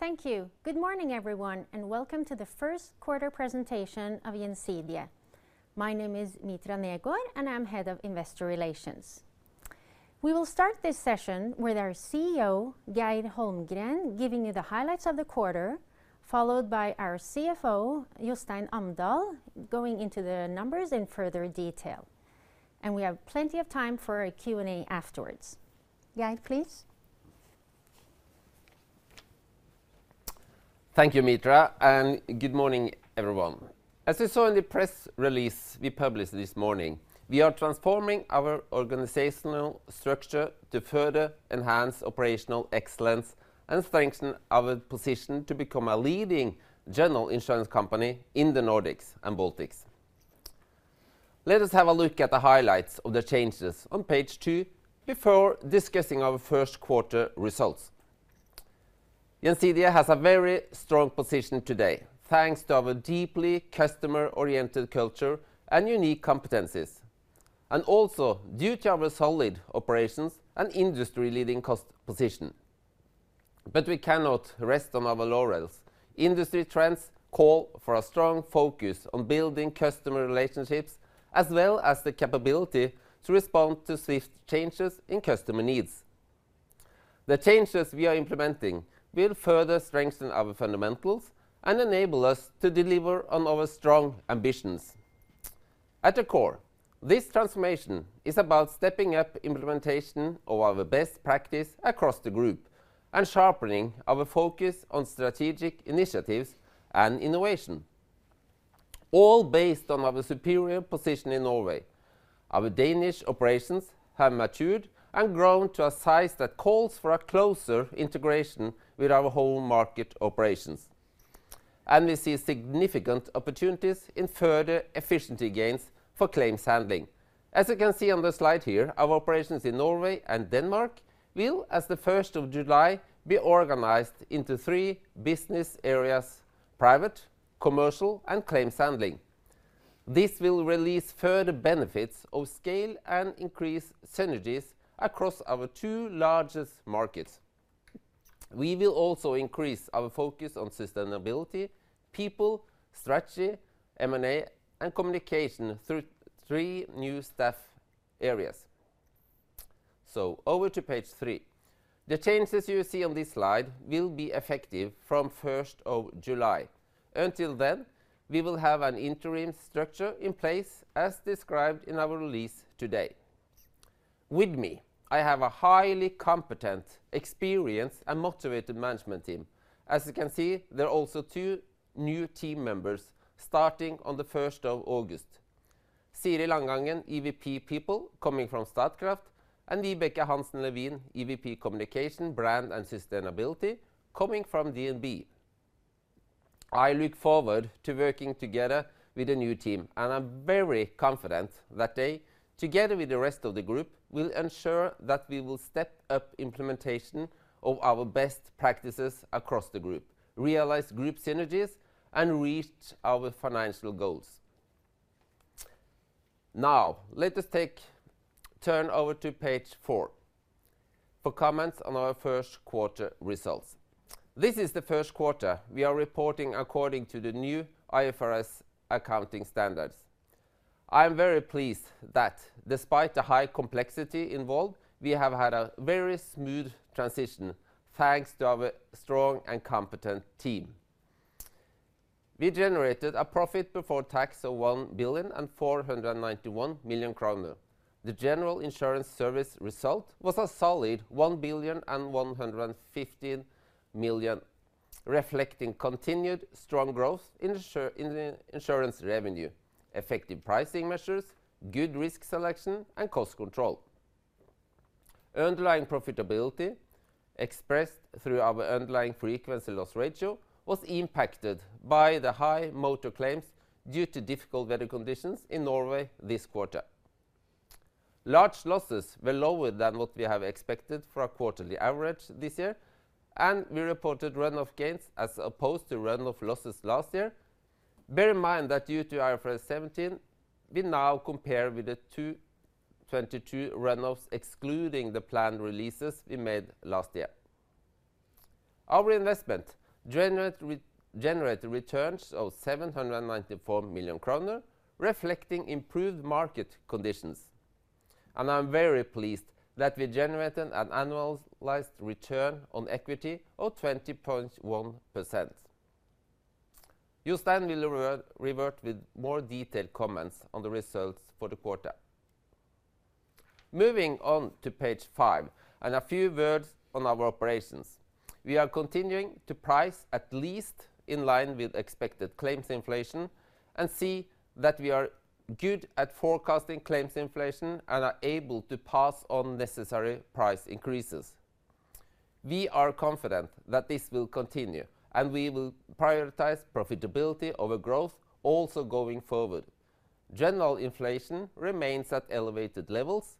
Thank you. Good morning, everyone, and welcome to the first quarter presentation of Gjensidige. My name is Mitra Negård, and I'm Head of Investor Relations. We will start this session with our CEO, Geir Holmgren, giving you the highlights of the quarter, followed by our CFO, Jostein Amdal, going into the numbers in further detail. We have plenty of time for a Q&A afterwards. Geir, please. Thank you, Mitra. Good morning, everyone. As you saw in the press release we published this morning, we are transforming our organizational structure to further enhance operational excellence and strengthen our position to become a leading general insurance company in the Nordics and Baltics. Let us have a look at the highlights of the changes on page two before discussing our first quarter results. Gjensidige has a very strong position today, thanks to our deeply customer-oriented culture and unique competencies, and also due to our solid operations and industry-leading cost position. We cannot rest on our laurels. Industry trends call for a strong focus on building customer relationships as well as the capability to respond to swift changes in customer needs. The changes we are implementing will further strengthen our fundamentals and enable us to deliver on our strong ambitions. At the core, this transformation is about stepping up implementation of our best practice across the group and sharpening our focus on strategic initiatives and innovation, all based on our superior position in Norway. Our Danish operations have matured and grown to a size that calls for a closer integration with our home market operations. We see significant opportunities in further efficiency gains for claims handling. As you can see on the slide here, our operations in Norway and Denmark will, as the first of July, be organized into three business areas: private, commercial, and claims handling. This will release further benefits of scale and increase synergies across our two largest markets. We will also increase our focus on sustainability, people, strategy, M&A, and communication through three new staff areas. Over to page three. The changes you see on this slide will be effective from first of July. Until then, we will have an interim structure in place as described in our release today. With me, I have a highly competent, experienced, and motivated management team. As you can see, there are also two new team members starting on the first of August. Siri Langangen, EVP People, coming from Statkraft, and Vibeke Hansen Lewin, EVP Communication, Brand, and Sustainability, coming from DNB. I look forward to working together with the new team, I'm very confident that they, together with the rest of the group, will ensure that we will step up implementation of our best practices across the group, realize group synergies and reach our financial goals. Let us take turn over to page four for comments on our first quarter results. This is the first quarter we are reporting according to the new IFRS accounting standards. I am very pleased that despite the high complexity involved, we have had a very smooth transition thanks to our strong and competent team. We generated a profit before tax of 1.491 billion. The general insurance service result was a solid 1.115 billion, reflecting continued strong growth in insurance revenue, effective pricing measures, good risk selection, and cost control. Underlying profitability expressed through our underlying frequency loss ratio was impacted by the high motor claims due to difficult weather conditions in Norway this quarter. Large losses were lower than what we have expected for a quarterly average this year, and we reported run-off gains as opposed to run-off losses last year. Bear in mind that due to IFRS 17, we now compare with the 2022 run-offs, excluding the planned releases we made last year. Our investment generated returns of 794 million kroner, reflecting improved market conditions. I'm very pleased that we generated an annualized return on equity of 20.1%. Jostein will revert with more detailed comments on the results for the quarter. Moving on to page five, a few words on our operations. We are continuing to price at least in line with expected claims inflation. We see that we are good at forecasting claims inflation and are able to pass on necessary price increases. We are confident that this will continue. We will prioritize profitability over growth also going forward. General inflation remains at elevated levels.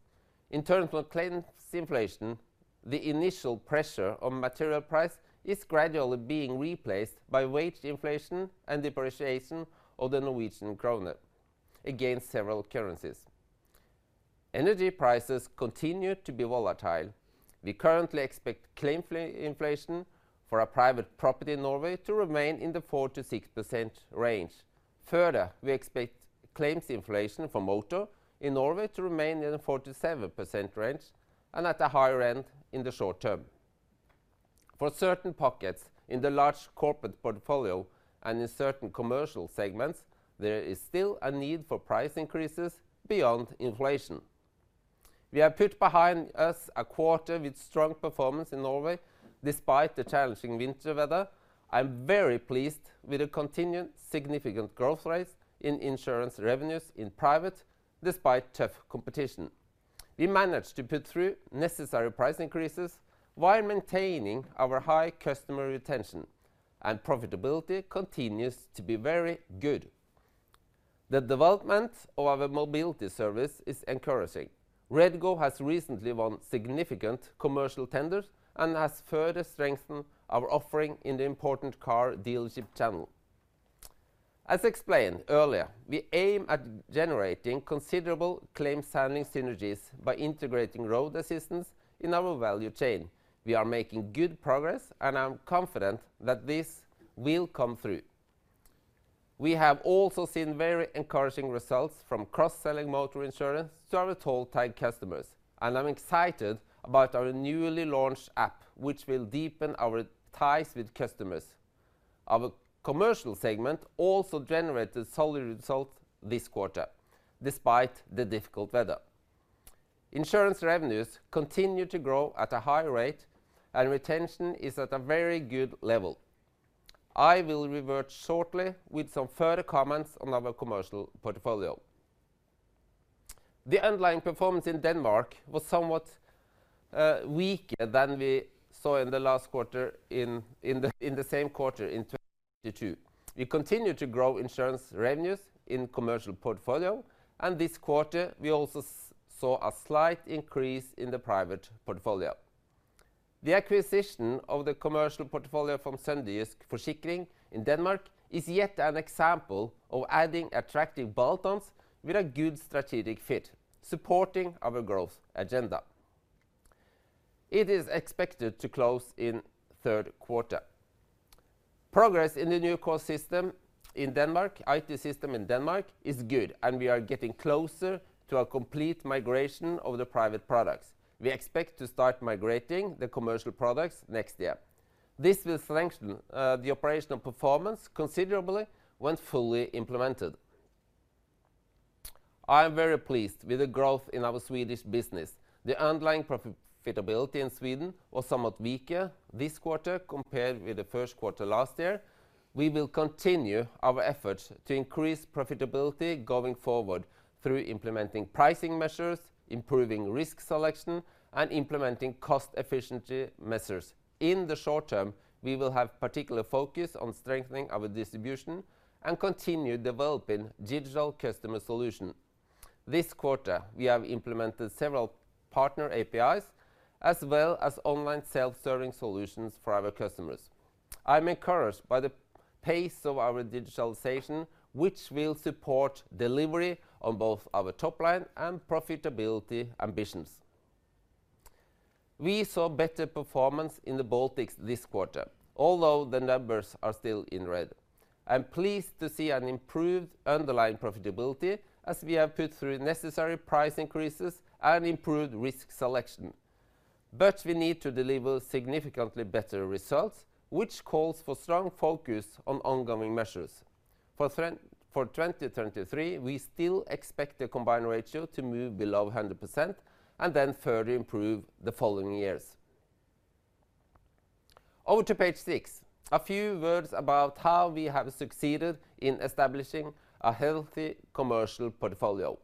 In terms of claims inflation, the initial pressure on material price is gradually being replaced by wage inflation and depreciation of the Norwegian kroner against several currencies. Energy prices continue to be volatile. We currently expect claim inflation for our private property in Norway to remain in the 4%-6% range. Further, we expect claims inflation for motor in Norway to remain in the 4%-7% range and at the higher end in the short term. For certain pockets in the large corporate portfolio and in certain commercial segments, there is still a need for price increases beyond inflation. We have put behind us a quarter with strong performance in Norway despite the challenging winter weather. I'm very pleased with the continued significant growth rates in insurance revenues in private despite tough competition. We managed to put through necessary price increases while maintaining our high customer retention, and profitability continues to be very good. The development of our mobility service is encouraging. REDGO has recently won significant commercial tenders and has further strengthened our offering in the important car dealership channel. As explained earlier, we aim at generating considerable claims handling synergies by integrating road assistance in our value chain. We are making good progress, and I am confident that this will come through. We have also seen very encouraging results from cross-selling motor insurance to our toll tag customers, and I'm excited about our newly launched app, which will deepen our ties with customers. Our commercial segment also generated solid results this quarter despite the difficult weather. Insurance revenues continue to grow at a high rate, and retention is at a very good level. I will revert shortly with some further comments on our commercial portfolio. The underlying performance in Denmark was somewhat weaker than we saw in the last quarter in the same quarter in 2022. We continue to grow insurance revenues in commercial portfolio, this quarter, we also saw a slight increase in the private portfolio. The acquisition of the commercial portfolio from Sønderjysk Forsikring in Denmark is yet an example of adding attractive bolt-ons with a good strategic fit, supporting our growth agenda. It is expected to close in third quarter. Progress in the new core system in Denmark, IT system in Denmark is good, we are getting closer to a complete migration of the private products. We expect to start migrating the commercial products next year. This will strengthen the operational performance considerably when fully implemented. I am very pleased with the growth in our Swedish business. The underlying profitability in Sweden was somewhat weaker this quarter compared with the first quarter last year. We will continue our efforts to increase profitability going forward through implementing pricing measures, improving risk selection, and implementing cost efficiency measures. In the short term, we will have particular focus on strengthening our distribution and continue developing digital customer solution. This quarter, we have implemented several partner APIs as well as online self-serving solutions for our customers. I'm encouraged by the pace of our digitalization, which will support delivery on both our top line and profitability ambitions. We saw better performance in the Baltics this quarter, although the numbers are still in red. I'm pleased to see an improved underlying profitability as we have put through necessary price increases and improved risk selection. We need to deliver significantly better results, which calls for strong focus on ongoing measures. For 2023, we still expect the combined ratio to move below 100% and then further improve the following years. Over to page six. A few words about how we have succeeded in establishing a healthy commercial portfolio.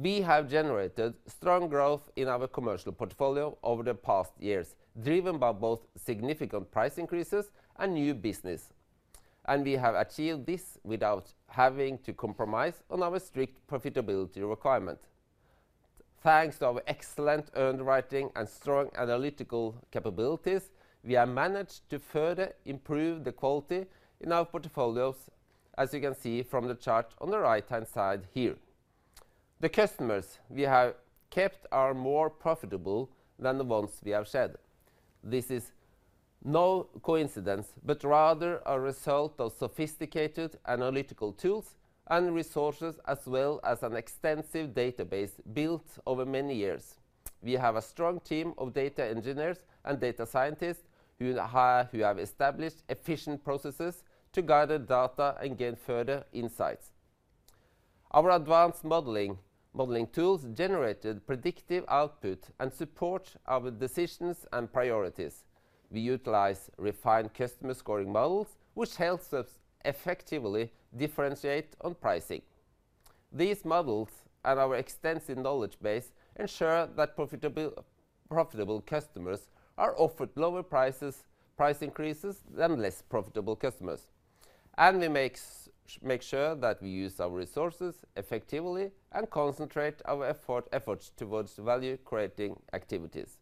We have generated strong growth in our commercial portfolio over the past years, driven by both significant price increases and new business. We have achieved this without having to compromise on our strict profitability requirement. Thanks to our excellent underwriting and strong analytical capabilities, we have managed to further improve the quality in our portfolios, as you can see from the chart on the right-hand side here. The customers we have kept are more profitable than the ones we have shed. This is no coincidence, but rather a result of sophisticated analytical tools and resources as well as an extensive database built over many years. We have a strong team of data engineers and data scientists who have established efficient processes to gather data and gain further insights. Our advanced modeling tools generated predictive output and support our decisions and priorities. We utilize refined customer scoring models, which helps us effectively differentiate on pricing. These models and our extensive knowledge base ensure that profitable customers are offered lower prices, price increases than less profitable customers. We make sure that we use our resources effectively and concentrate our efforts towards value-creating activities.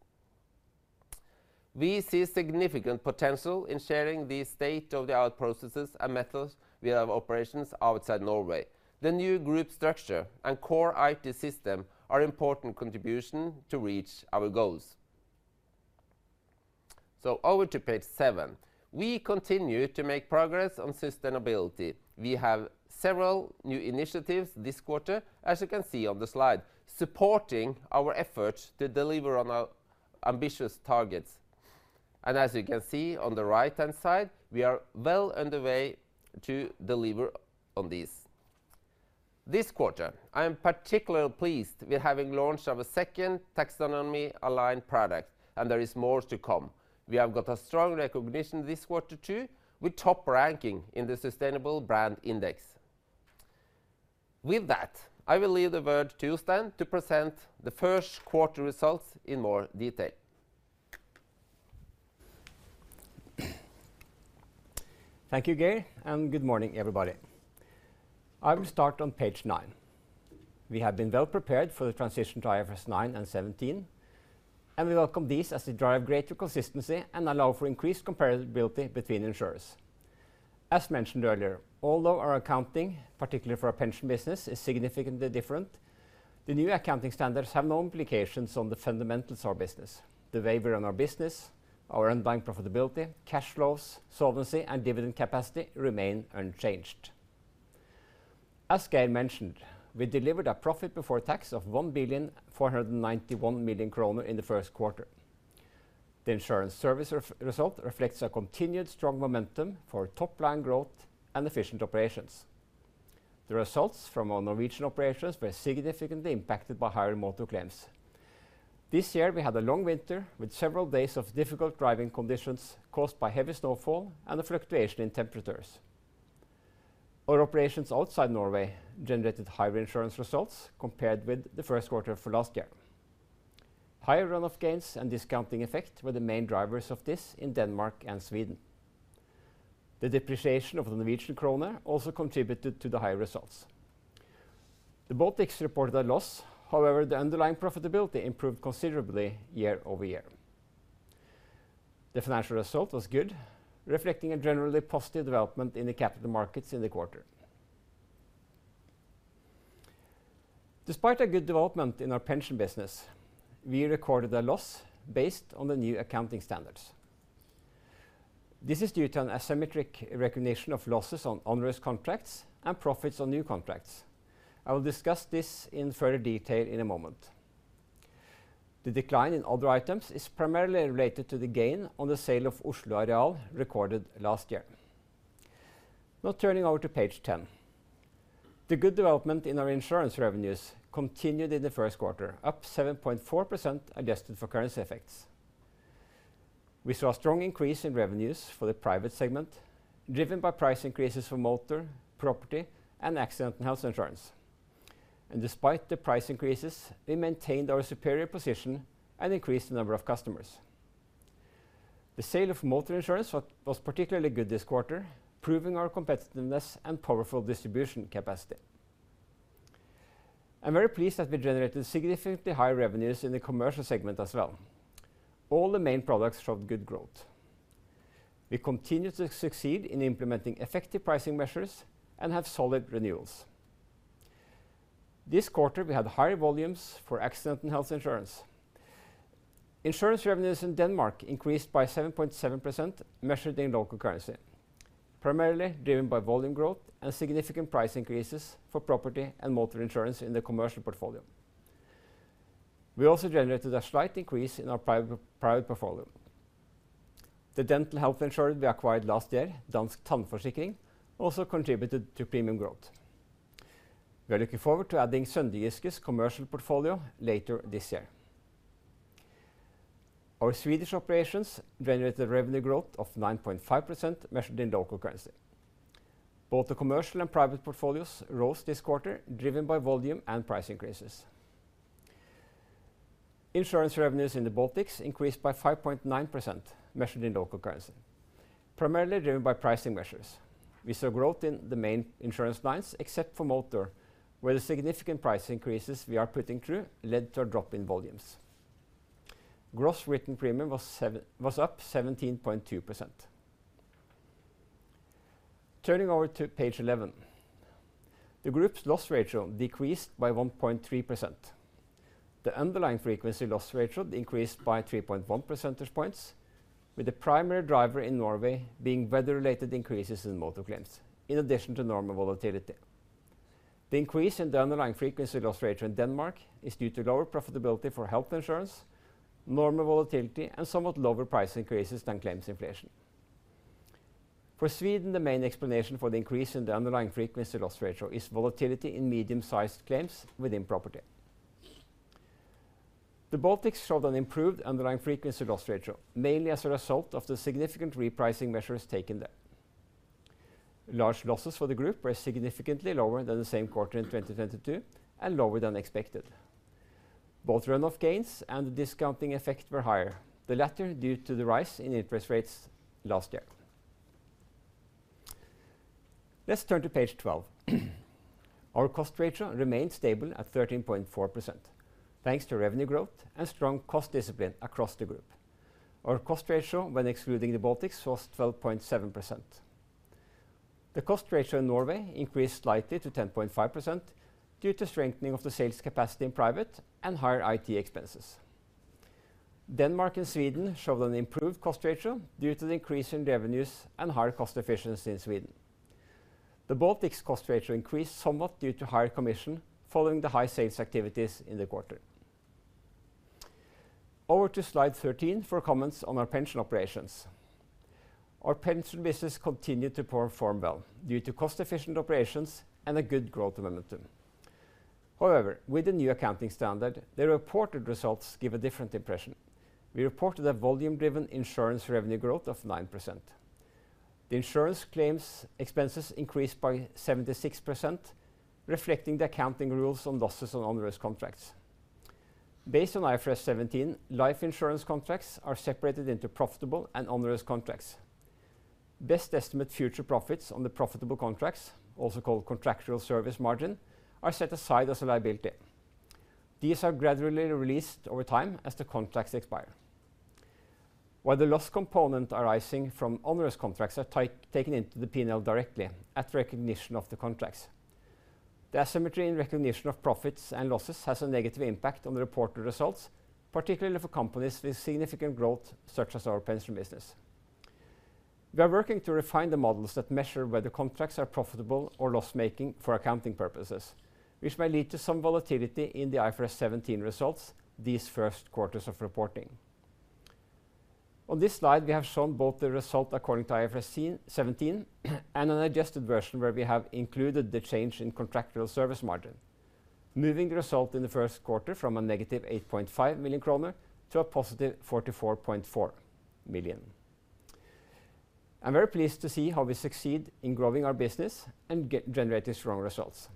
We see significant potential in sharing the state-of-the-art processes and methods we have operations outside Norway. The new group structure and core IT system are important contribution to reach our goals. Over to page seven. We continue to make progress on sustainability. We have several new initiatives this quarter, as you can see on the slide, supporting our efforts to deliver on our ambitious targets. As you can see on the right-hand side, we are well on the way to deliver on these. This quarter, I am particularly pleased we are having launched our second taxonomy aligned product, and there is more to come. We have got a strong recognition this quarter, too, with top ranking in the Sustainable Brand Index. With that, I will leave the word to Jostein to present the first quarter results in more detail. Thank you, Geir, and good morning, everybody. I will start on page nine. We have been well prepared for the transition to IFRS 9 and 17, and we welcome these as they drive greater consistency and allow for increased comparability between insurers. As mentioned earlier, although our accounting, particularly for our pension business, is significantly different, the new accounting standards have no implications on the fundamentals of our business. The way we run our business, our underlying profitability, cash flows, solvency, and dividend capacity remain unchanged. As Geir mentioned, we delivered a profit before tax of 1,491 million kroner in the first quarter. The insurance service result reflects a continued strong momentum for top line growth and efficient operations. The results from our Norwegian operations were significantly impacted by higher motor claims. This year we had a long winter with several days of difficult driving conditions caused by heavy snowfall and a fluctuation in temperatures. Our operations outside Norway generated higher insurance results compared with the first quarter for last year. Higher run-off gains and discounting effect were the main drivers of this in Denmark and Sweden. The depreciation of the Norwegian kroner also contributed to the higher results. The Baltics reported a loss. However, the underlying profitability improved considerably year-over-year. The financial result was good, reflecting a generally positive development in the capital markets in the quarter. Despite a good development in our pension business, we recorded a loss based on the new accounting standards. This is due to an asymmetric recognition of losses on onerous contracts and profits on new contracts. I will discuss this in further detail in a moment. The decline in other items is primarily related to the gain on the sale of Oslo Areal recorded last year. Turning over to page 10. The good development in our insurance revenues continued in the first quarter, up 7.4% adjusted for currency effects. We saw a strong increase in revenues for the private segment, driven by price increases for motor, property, and accident and health insurance. Despite the price increases, we maintained our superior position and increased the number of customers. The sale of motor insurance was particularly good this quarter, proving our competitiveness and powerful distribution capacity. I'm very pleased that I generated significantly higher revenues in the commercial segment as well. All the main products showed good growth. We continue to succeed in implementing effective pricing measures and have solid renewals. This quarter, we had higher volumes for accident and health insurance. Insurance revenues in Denmark increased by 7.7%, measured in local currency, primarily driven by volume growth and significant price increases for property and motor insurance in the commercial portfolio. We also generated a slight increase in our private portfolio. The dental health insurer we acquired last year, Dansk Tandforsikring, also contributed to premium growth. We are looking forward to adding Sønderjysk's commercial portfolio later this year. Our Swedish operations generated revenue growth of 9.5% measured in local currency. Both the commercial and private portfolios rose this quarter, driven by volume and price increases. Insurance revenues in the Baltics increased by 5.9%, measured in local currency, primarily driven by pricing measures. We saw growth in the main insurance lines, except for motor, where the significant price increases we are putting through led to a drop in volumes. Gross written premium was up 17.2%. Turning over to page 11. The group's loss ratio decreased by 1.3%. The underlying frequency loss ratio increased by 3.1 percentage points, with the primary driver in Norway being weather-related increases in motor claims, in addition to normal volatility. The increase in the underlying frequency loss ratio in Denmark is due to lower profitability for health insurance, normal volatility, and somewhat lower price increases than claims inflation. For Sweden, the main explanation for the increase in the underlying frequency loss ratio is volatility in medium-sized claims within property. The Baltics showed an improved underlying frequency loss ratio, mainly as a result of the significant repricing measures taken there. Large losses for the group were significantly lower than the same quarter in 2022 and lower than expected. Both run-off gains and the discounting effect were higher, the latter due to the rise in interest rates last year. Let's turn to page 12. Our cost ratio remained stable at 13.4% thanks to revenue growth and strong cost discipline across the group. Our cost ratio when excluding the Baltics was 12.7%. The cost ratio in Norway increased slightly to 10.5% due to strengthening of the sales capacity in private and higher IT expenses. Denmark and Sweden showed an improved cost ratio due to the increase in revenues and higher cost efficiency in Sweden. The Baltics cost ratio increased somewhat due to higher commission following the high sales activities in the quarter. Over to slide 13 for comments on our pension operations. Our pension business continued to perform well due to cost efficient operations and a good growth momentum. However, with the new accounting standard, the reported results give a different impression. We reported a volume driven insurance revenue growth of 9%. The insurance claims expenses increased by 76% reflecting the accounting rules on losses on onerous contracts. Based on IFRS 17, life insurance contracts are separated into profitable and onerous contracts. Best estimate future profits on the profitable contracts, also called contractual service margin, are set aside as a liability. These are gradually released over time as the contracts expire. While the loss component arising from onerous contracts are taken into the P&L directly at recognition of the contracts. The asymmetry in recognition of profits and losses has a negative impact on the reported results, particularly for companies with significant growth such as our pension business. We are working to refine the models that measure whether contracts are profitable or loss-making for accounting purposes, which may lead to some volatility in the IFRS 17 results these first quarters of reporting. On this slide we have shown both the result according to IFRS 17 and an adjusted version where we have included the change in contractual service margin, moving the result in the first quarter from a negative 8.5 million kroner to a positive 44.4 million. I'm very pleased to see how we succeed in growing our business and generate strong results.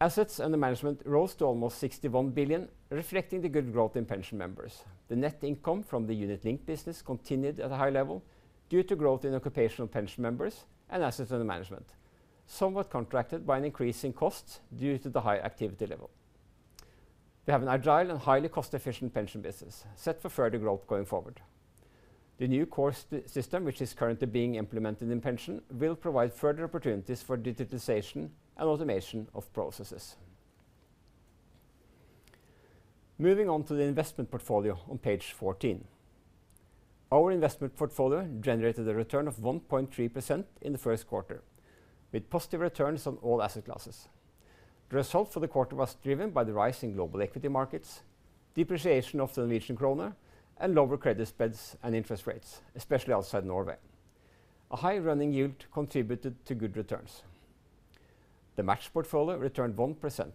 assets under management rose to almost 61 billion, reflecting the good growth in pension members. The net income from the unit link business continued at a high level due to growth in occupational pension members and assets under management, somewhat contracted by an increase in costs due to the high activity level. We have an agile and highly cost-efficient pension business set for further growth going forward. The new course system, which is currently being implemented in pension, will provide further opportunities for digitization and automation of processes. Moving on to the investment portfolio on page 14. Our investment portfolio generated a return of 1.3% in the first quarter, with positive returns on all asset classes. The result for the quarter was driven by the rise in global equity markets, depreciation of the Norwegian kroner, and lower credit spreads and interest rates, especially outside Norway. A high running yield contributed to good returns. The match portfolio returned 1%.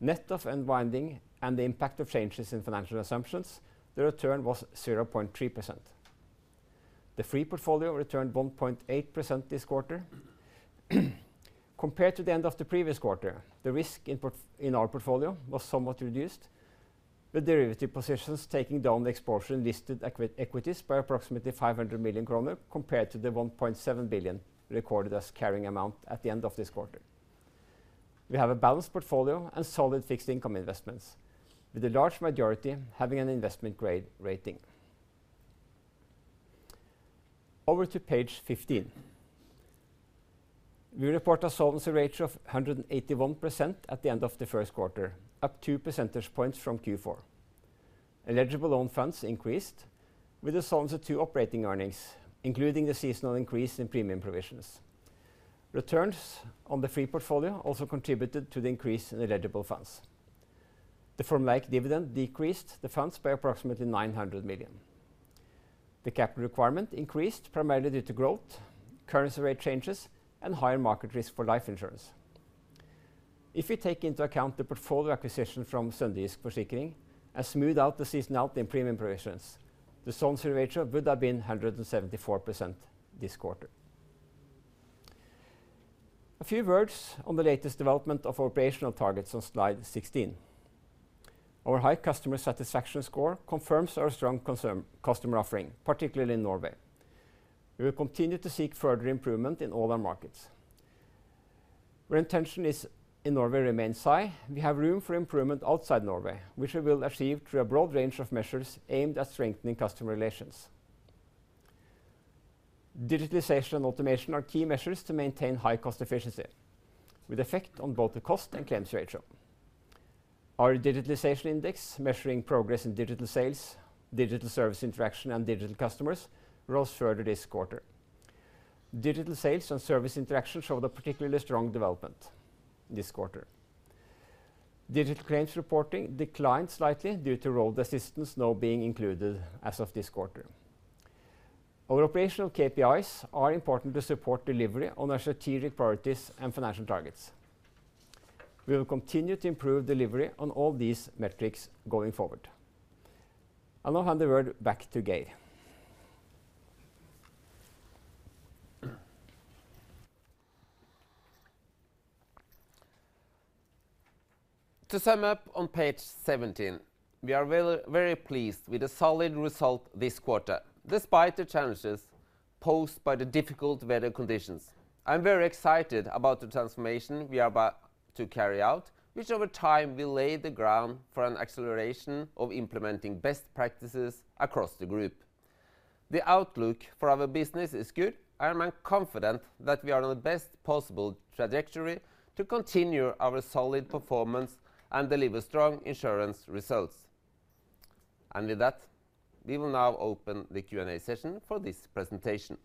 Net of unwinding and the impact of changes in financial assumptions, the return was 0.3%. The free portfolio returned 1.8% this quarter. Compared to the end of the previous quarter, the risk in our portfolio was somewhat reduced, with derivative positions taking down the exposure in listed equities by approximately 500 million kroner compared to the 1.7 billion recorded as carrying amount at the end of this quarter. We have a balanced portfolio and solid fixed income investments, with a large majority having an investment-grade rating. Over to page 15. We report a solvency ratio of 181% at the end of the first quarter, up 2 percentage points from Q4. Eligible own funds increased, with the solvency to operating earnings, including the seasonal increase in premium provisions. Returns on the free portfolio also contributed to the increase in eligible funds. The from like dividend decreased the funds by approximately 900 million. The capital requirement increased primarily due to growth, currency rate changes, and higher market risk for life insurance. If we take into account the portfolio acquisition from Sønderjysk Forsikring and smooth out the seasonality in premium provisions, the solvency ratio would have been 174% this quarter. A few words on the latest development of operational targets on slide 16. Our high customer satisfaction score confirms our strong customer offering, particularly in Norway. We will continue to seek further improvement in all our markets. Retention is in Norway remains high. We have room for improvement outside Norway, which we will achieve through a broad range of measures aimed at strengthening customer relations. Digitalization and automation are key measures to maintain high cost efficiency, with effect on both the cost and claims ratio. Our Digitalisation index measuring progress in digital sales, digital service interaction, and digital customers rose further this quarter. Digital sales and service interaction showed a particularly strong development this quarter. Digital claims reporting declined slightly due to road assistance now being included as of this quarter. Our operational KPIs are important to support delivery on our strategic priorities and financial targets. We will continue to improve delivery on all these metrics going forward. I now hand the word back to Geir. To sum up on page 17, we are very, very pleased with the solid result this quarter, despite the challenges posed by the difficult weather conditions. I'm very excited about the transformation we are about to carry out, which over time will lay the ground for an acceleration of implementing best practices across the group. The outlook for our business is good. I am confident that we are on the best possible trajectory to continue our solid performance and deliver strong insurance results. With that, we will now open the Q&A session for this presentation.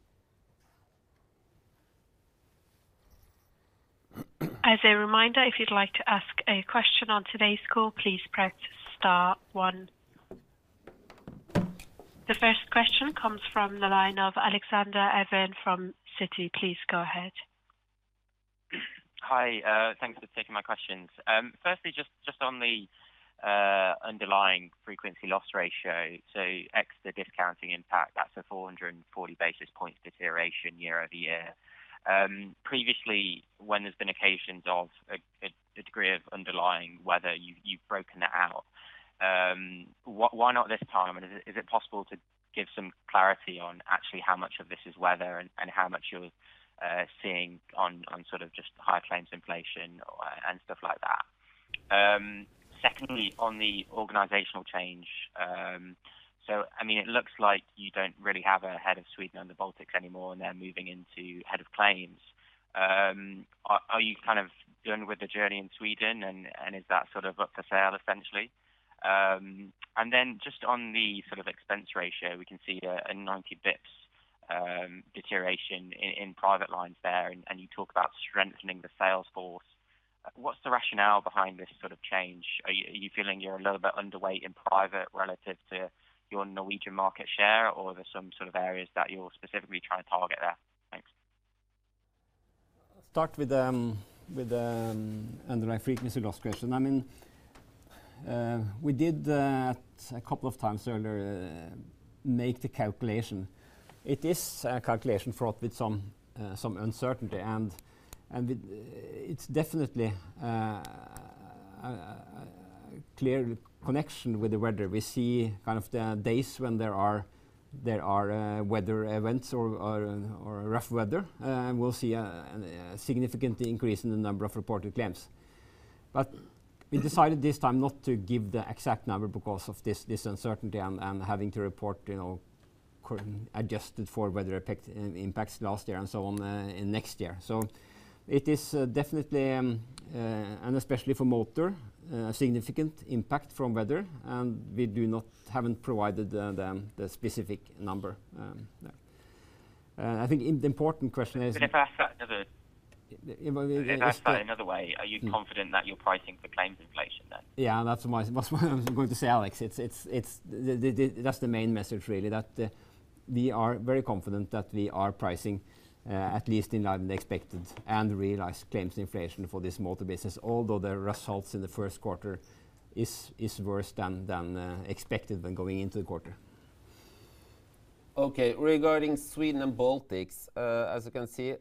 As a reminder, if you'd like to ask a question on today's call, please press star one. The first question comes from the line of Alexander Evans from Citi. Please go ahead. Hi. Thanks for taking my questions. Firstly, just on the underlying frequency loss ratio, so extra discounting impact, that's a 440 basis point deterioration year-over-year. Previously when there's been occasions of a degree of underlying weather, you've broken it out. Why not this time? Is it possible to give some clarity on actually how much of this is weather and how much you're seeing on sort of just higher claims inflation and stuff like that. Secondly, on the organizational change. I mean, it looks like you don't really have a head of Sweden and the Baltics anymore, and they're moving into head of claims. Are you kind of done with the journey in Sweden and is that sort of up for sale essentially? Just on the sort of expense ratio, we can see a 90 basis points deterioration in private lines there. You talk about strengthening the sales force. What's the rationale behind this sort of change? Are you feeling you're a little bit underweight in private relative to your Norwegian market share, or are there some sort of areas that you are specifically trying to target there? Thanks. Start with Underlying Frequency Loss question. I mean, we did that a couple of times earlier, make the calculation. It is a calculation fraught with some uncertainty and it's definitely a clear connection with the weather. We see kind of the days when there are weather events or rough weather, and we'll see a significant increase in the number of reported claims. We decided this time not to give the exact number because of this uncertainty and having to report, you know, adjusted for weather impact, impacts last year and so on, in next year. It is definitely, and especially for motor, a significant impact from weather, and we haven't provided the specific number, no. I think the important question is. if I ask that another. Well. If I ask that another way, are you confident that you're pricing for claims inflation then? Yeah, that's what I was going to say, Alex. That's the main message really, that we are very confident that we are pricing, at least in line with the expected and realized claims inflation for this motor business, although the results in the first quarter is worse than expected when going into the quarter. Okay. Regarding Sweden and Baltics, as you can see,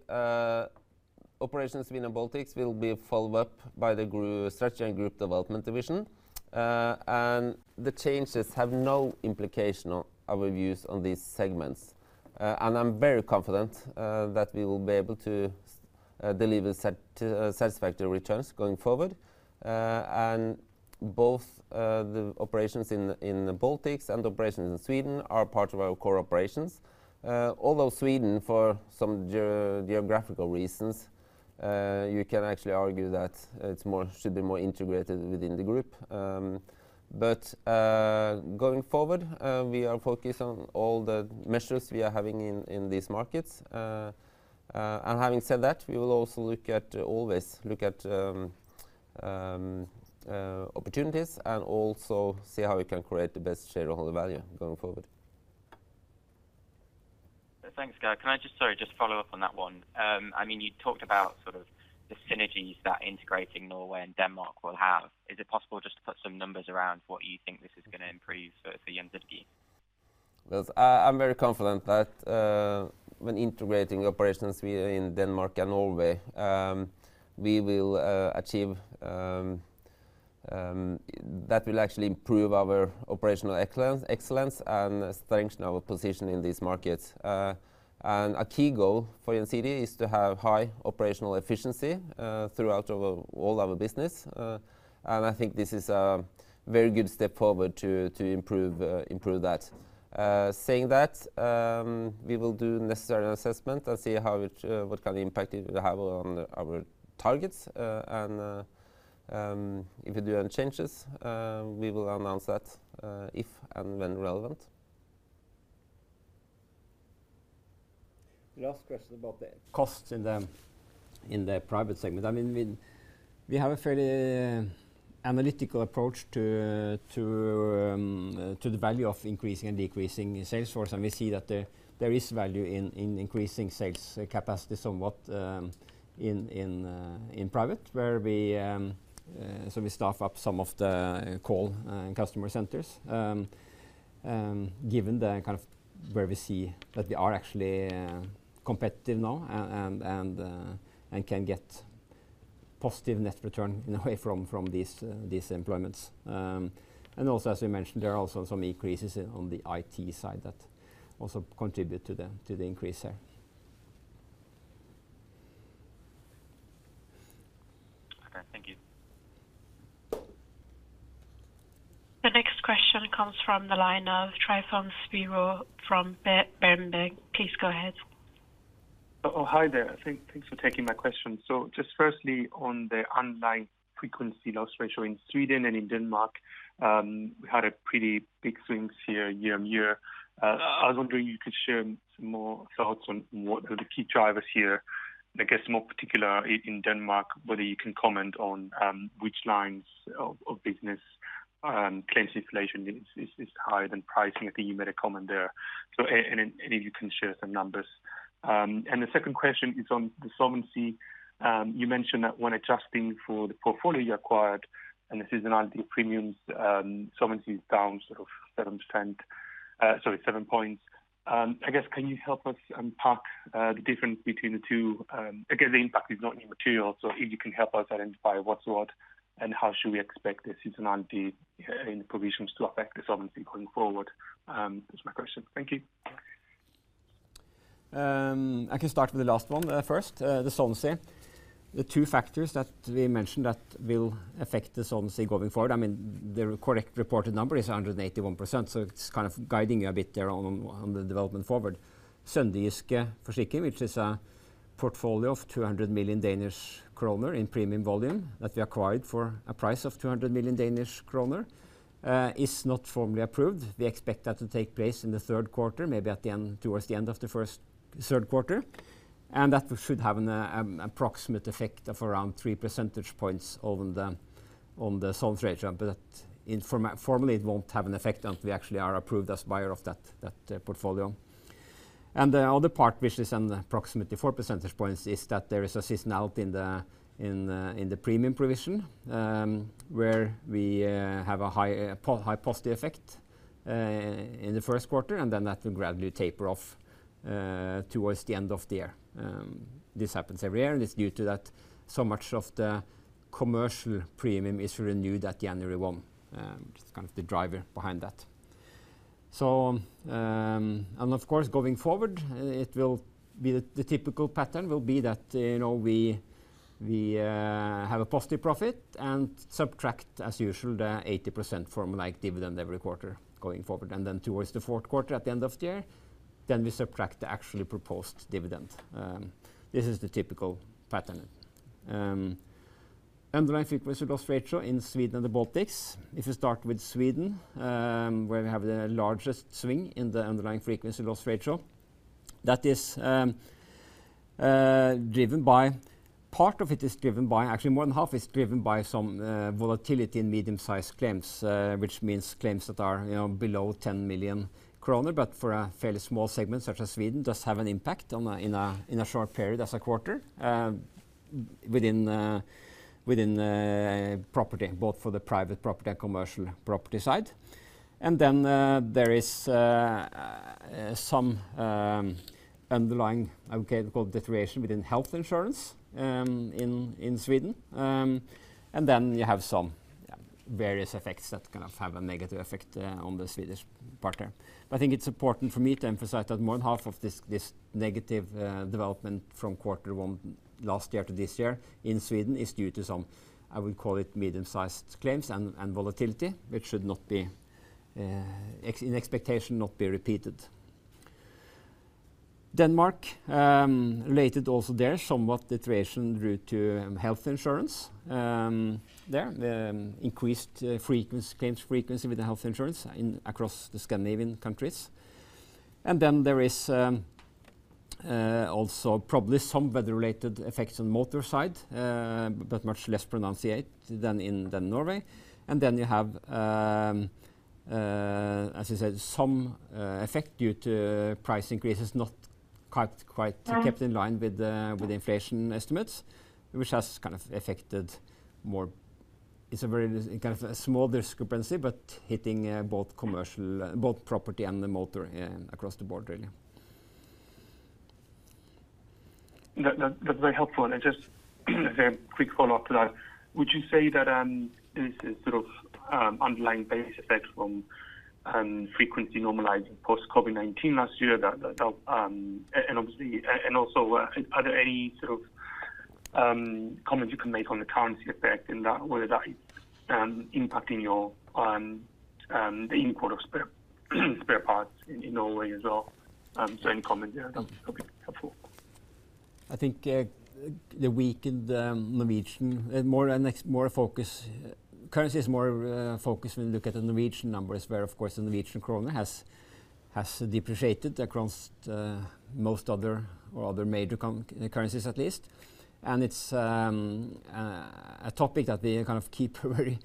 operations Sweden and Baltics will be followed up by the Group Strategy and Group Development division. The changes have no implication on our views on these segments. I'm very confident that we will be able to deliver satisfactory returns going forward. Both the operations in the Baltics and operations in Sweden are part of our core operations. Although Sweden, for some geographical reasons, you can actually argue that it's more should be more integrated within the group. Going forward, we are focused on all the measures we are having in these markets. Having said that, we will also always look at opportunities and also see how we can create the best shareholder value going forward. Thanks, guy. Can I, sorry, just follow up on that one. I mean, you talked about sort of the synergies that integrating Norway and Denmark will have. Is it possible just to put some numbers around what you think this is gonna improve for? [inaudible] Yes. I'm very confident that when integrating operations we are in Denmark and Norway, that will actually improve our operational excellence and strengthen our position in these markets. A key goal for [inaudible] is to have high operational efficiency throughout all our business. I think this is a very good step forward to improve that. Saying that, we will do necessary assessment and see what kind of impact it will have on our targets. If we do any changes, we will announce that if and when relevant. The last question about the costs in the private segment. I mean, we have a fairly analytical approach to the value of increasing and decreasing sales force, and we see that there is value in increasing sales capacity somewhat in private where we so we staff up some of the call customer centers. Given the kind of where we see that we are actually competitive now and can get positive net return in a way from these employments. Also as we mentioned, there are also some increases on the IT side that also contribute to the increase there. Okay, thank you. The next question comes from the line of Tryfonas Spyrou from Berenberg. Please go ahead. Oh, hi there. Thanks for taking my question. Just firstly, on the underlying frequency loss ratio in Sweden and in Denmark, we had a pretty big swings here year-on-year. I was wondering you could share some more thoughts on what are the key drivers here. I guess more particular in Denmark, whether you can comment on which lines of business claims inflation is higher than pricing. I think you made a comment there. And if you can share some numbers. The second question is on the solvency. You mentioned that when adjusting for the portfolio you acquired, and the seasonality premiums, solvency is down sort of 7 points. I guess can you help us unpack the difference between the two? Again, the impact is not new material. If you can help us identify what's what and how should we expect the seasonality, in the provisions to affect the solvency going forward, is my question. Thank you. I can start with the last one, first, the solvency. The two factors that we mentioned that will affect the solvency going forward, I mean, the correct reported number is 181%, so it's kind of guiding you a bit there on the development forward. Sønderjysk Forsikring, which is a portfolio of 200 million Danish kroner in premium volume that we acquired for a price of 200 million Danish kroner, is not formally approved. We expect that to take place in the third quarter, maybe at the end, towards the end of the third quarter. That should have an approximate effect of around 3 percentage points on the solvency ratio. That formally, it won't have an effect until we actually are approved as buyer of that portfolio. The other part, which is on approximately 4 percentage points, is that there is a seasonality in the premium provision, where we have a high positive effect in the first quarter, and then that will gradually taper off towards the end of the year. This happens every year, and it's due to that so much of the commercial premium is renewed at January 1. Which is kind of the driver behind that. Of course, going forward, it will be the typical pattern will be that, you know, we have a positive profit and subtract as usual the 80% from like dividend every quarter going forward. Then towards the fourth quarter at the end of the year, then we subtract the actually proposed dividend. This is the typical pattern. Underlying frequency loss ratio in Sweden and the Baltics. If you start with Sweden, where we have the largest swing in the underlying frequency loss ratio, that is driven by, actually more than half is driven by some volatility in medium-sized claims, which means claims that are, you know, below 10 million kroner, but for a fairly small segment such as Sweden, does have an impact on a short period as a quarter, within the property, both for the private property and commercial property side. There is some underlying, I would call deterioration within health insurance in Sweden. You have some various effects that kind of have a negative effect on the Swedish part there. I think it's important for me to emphasize that more than half of this negative development from quarter one last year to this year in Sweden is due to some, I would call it medium-sized claims and volatility, which should not be in expectation, not be repeated. Denmark, related also there, somewhat deterioration due to health insurance. There, increased frequency, claims frequency with the health insurance in across the Scandinavian countries. There is also probably some weather-related effects on motor side, but much less pronunciate than in, than Norway. You have, as you said, some effect due to price increases, not quite kept in line with the inflation estimates, which has kind of affected more. It's a very kind of a small discrepancy, but hitting, both commercial, both property and the motor, across the board really. That's very helpful. Just a quick follow-up to that. Would you say that this is sort of underlying base effect from frequency normalizing post COVID-19 last year that obviously, and also are there any sort of comments you can make on the currency effect and that whether that is impacting your the import of spare parts in Norway as well? Any comment there that would be helpful. I think the weakened Norwegian, more a focus, currency is more focus when you look at the Norwegian numbers where, of course, the Norwegian kroner has depreciated across most other or other major currencies at least. It's a topic that we kind of keep a very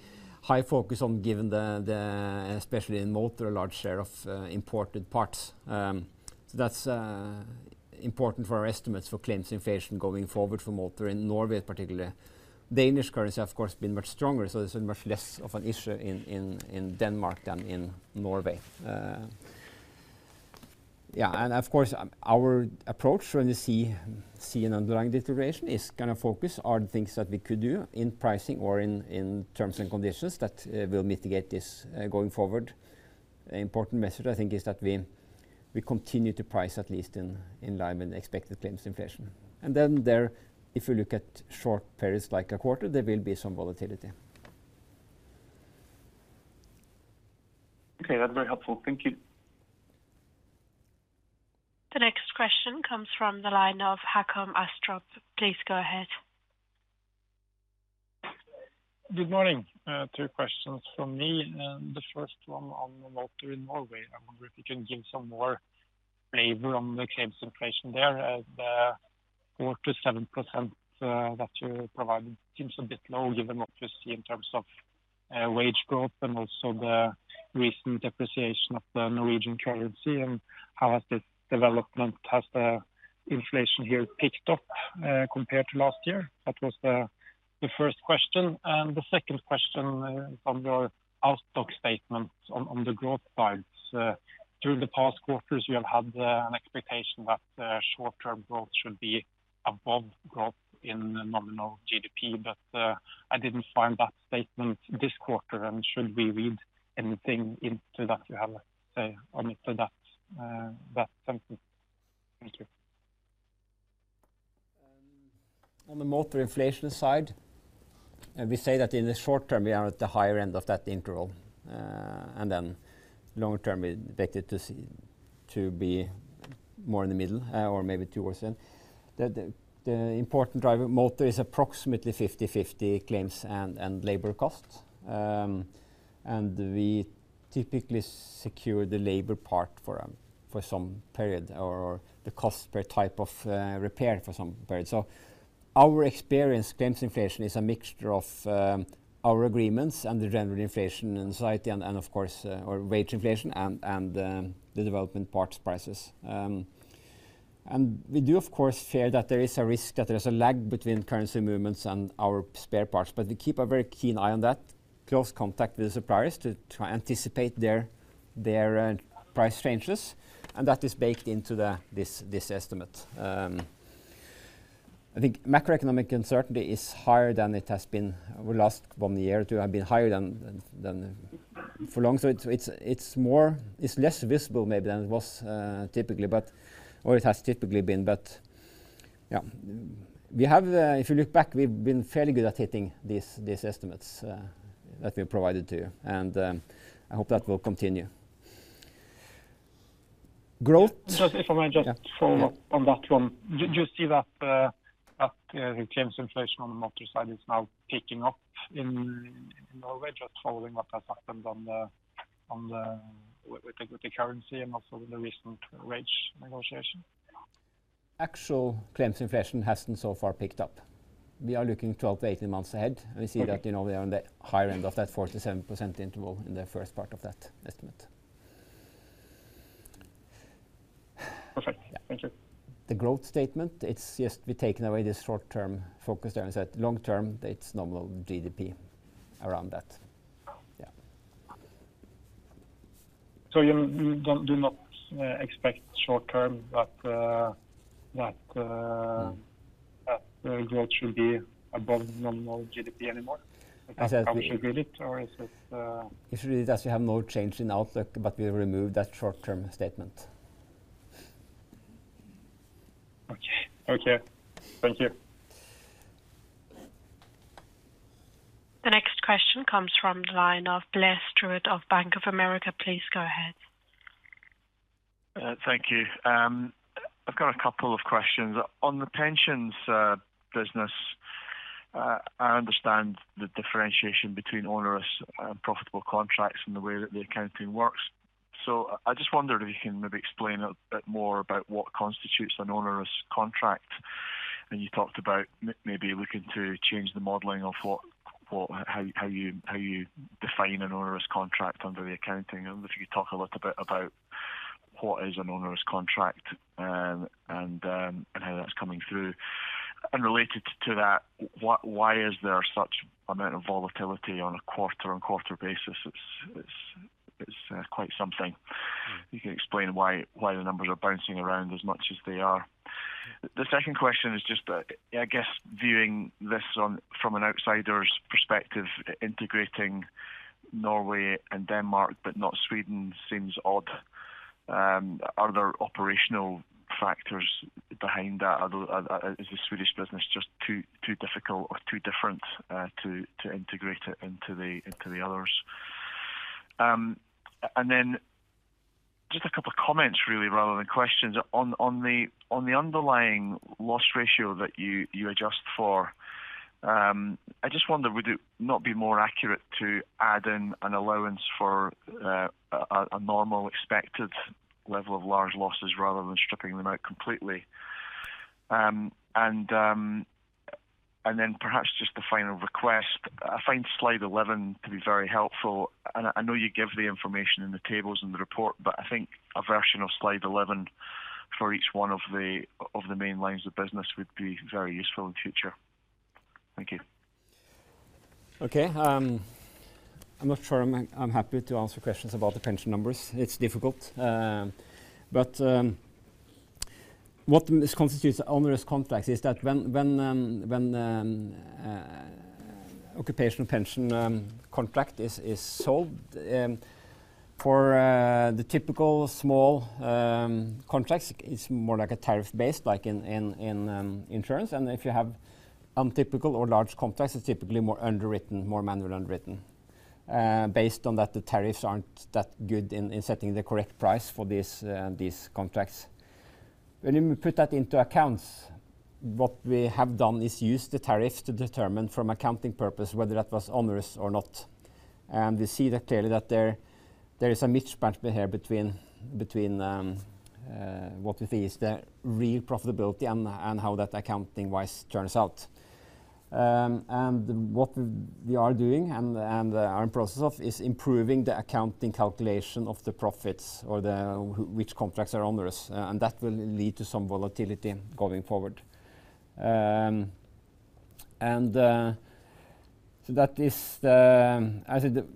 high focus on given the especially in motor, a large share of imported parts. So that's important for our estimates for claims inflation going forward for motor in Norway, particularly. The Danish currency, of course, been much stronger, so it's much less of an issue in Denmark than in Norway. Yeah, of course, our approach when you see an underlying deterioration is gonna focus on things that we could do in pricing or in terms and conditions that will mitigate this going forward. Important message, I think, is that we continue to price at least in line with expected claims inflation. Then there, if you look at short periods like a quarter, there will be some volatility. Okay, that's very helpful. Thank you. The next question comes from the line of Håkon Astrup. Please go ahead. Good morning. Two questions from me. The first one on motor in Norway. I wonder if you can give some more flavor on the claims inflation there. The 4%-7% that you provided seems a bit low given what you see in terms of wage growth and also the recent depreciation of the Norwegian currency. How has this development? Has the inflation here picked up compared to last year? That was the first question. The second question on your outstock statement on the growth side. Through the past quarters, you have had an expectation that short-term growth should be above growth in nominal GDP, I didn't find that statement this quarter. Should we read anything into that you have, say, onto that sentence? Thank you. On the motor inflation side, we say that in the short term, we are at the higher end of that interval, and then long term, we expect it to be more in the middle, or maybe towards the end. The important driver of motor is approximately 50/50 claims and labor costs. We typically secure the labor part for some period or the cost per type of, repair for some period. Our experience claims inflation is a mixture of, our agreements and the general inflation in society and of course, or wage inflation and the development parts prices. We do, of course, fear that there is a risk that there's a lag between currency movements and our spare parts, but we keep a very keen eye on that, close contact with the suppliers to try anticipate their price changes, and that is baked into this estimate. I think macroeconomic uncertainty is higher than it has been over the last one year or two, have been higher than for long. It's less visible maybe than it was typically, but or it has typically been. Yeah, we have, if you look back, we've been fairly good at hitting these estimates that we provided to you. I hope that will continue. Growth, Just if I may just follow up on that one. Do you see that the claims inflation on the motor side is now picking up in Norway, just following what has happened with the currency and also the recent wage negotiation? Actual claims inflation hasn't so far picked up. We are looking 12-18 months ahead. Okay. We see that, you know, we are on the higher end of that 4%-7% interval in the first part of that estimate. Perfect. Yeah. Thank you. The growth statement, it's just we've taken away the short-term focus there and said long term, it's nominal GDP around that. Oh. Yeah. You do not expect short term that that that growth should be above nominal GDP anymore, or is it? If you read that, you have no change in outlook, but we removed that short-term statement. Okay. Okay. Thank you. The next question comes from the line of Blair Stewart of Bank of America. Please go ahead. Thank you. I've got a couple of questions. On the pensions business, I understand the differentiation between onerous and profitable contracts and the way that the accounting works. I just wondered if you can maybe explain a bit more about what constitutes an onerous contract. You talked about maybe looking to change the modeling of what, how you define an onerous contract under the accounting. If you could talk a little bit about what is an onerous contract and how that's coming through. Related to that, why is there such amount of volatility on a quarter-on-quarter basis? It's quite something. You can explain why the numbers are bouncing around as much as they are. The second question is just, I guess, viewing this on, from an outsider's perspective, integrating Norway and Denmark, but not Sweden seems odd. Are there operational factors behind that? Is the Swedish business just too difficult or too different to integrate it into the others? Then just a couple of comments, really, rather than questions. On the underlying loss ratio that you adjust for, I just wonder, would it not be more accurate to add in an allowance for a normal expected level of large losses rather than stripping them out completely? Then perhaps just a final request. I find slide 11 to be very helpful, and I know you give the information in the tables in the report, but I think a version of slide 11 for each one of the, of the main lines of business would be very useful in future. Thank you. Okay. I'm not sure I'm happy to answer questions about the pension numbers. It's difficult. What this constitutes onerous contracts is that when occupational pension contract is sold for the typical small contracts, it's more like a tariff based, like in insurance. If you have untypical or large contracts, it's typically more underwritten, more manually underwritten, based on that the tariffs aren't that good in setting the correct price for these contracts. When you put that into accounts, what we have done is use the tariff to determine from accounting purpose whether that was onerous or not. We see that clearly that there is a mismatch here between what we feel is the real profitability and how that accounting-wise turns out. What we are doing and are in process of is improving the accounting calculation of the profits or which contracts are onerous, that will lead to some volatility going forward. As I said,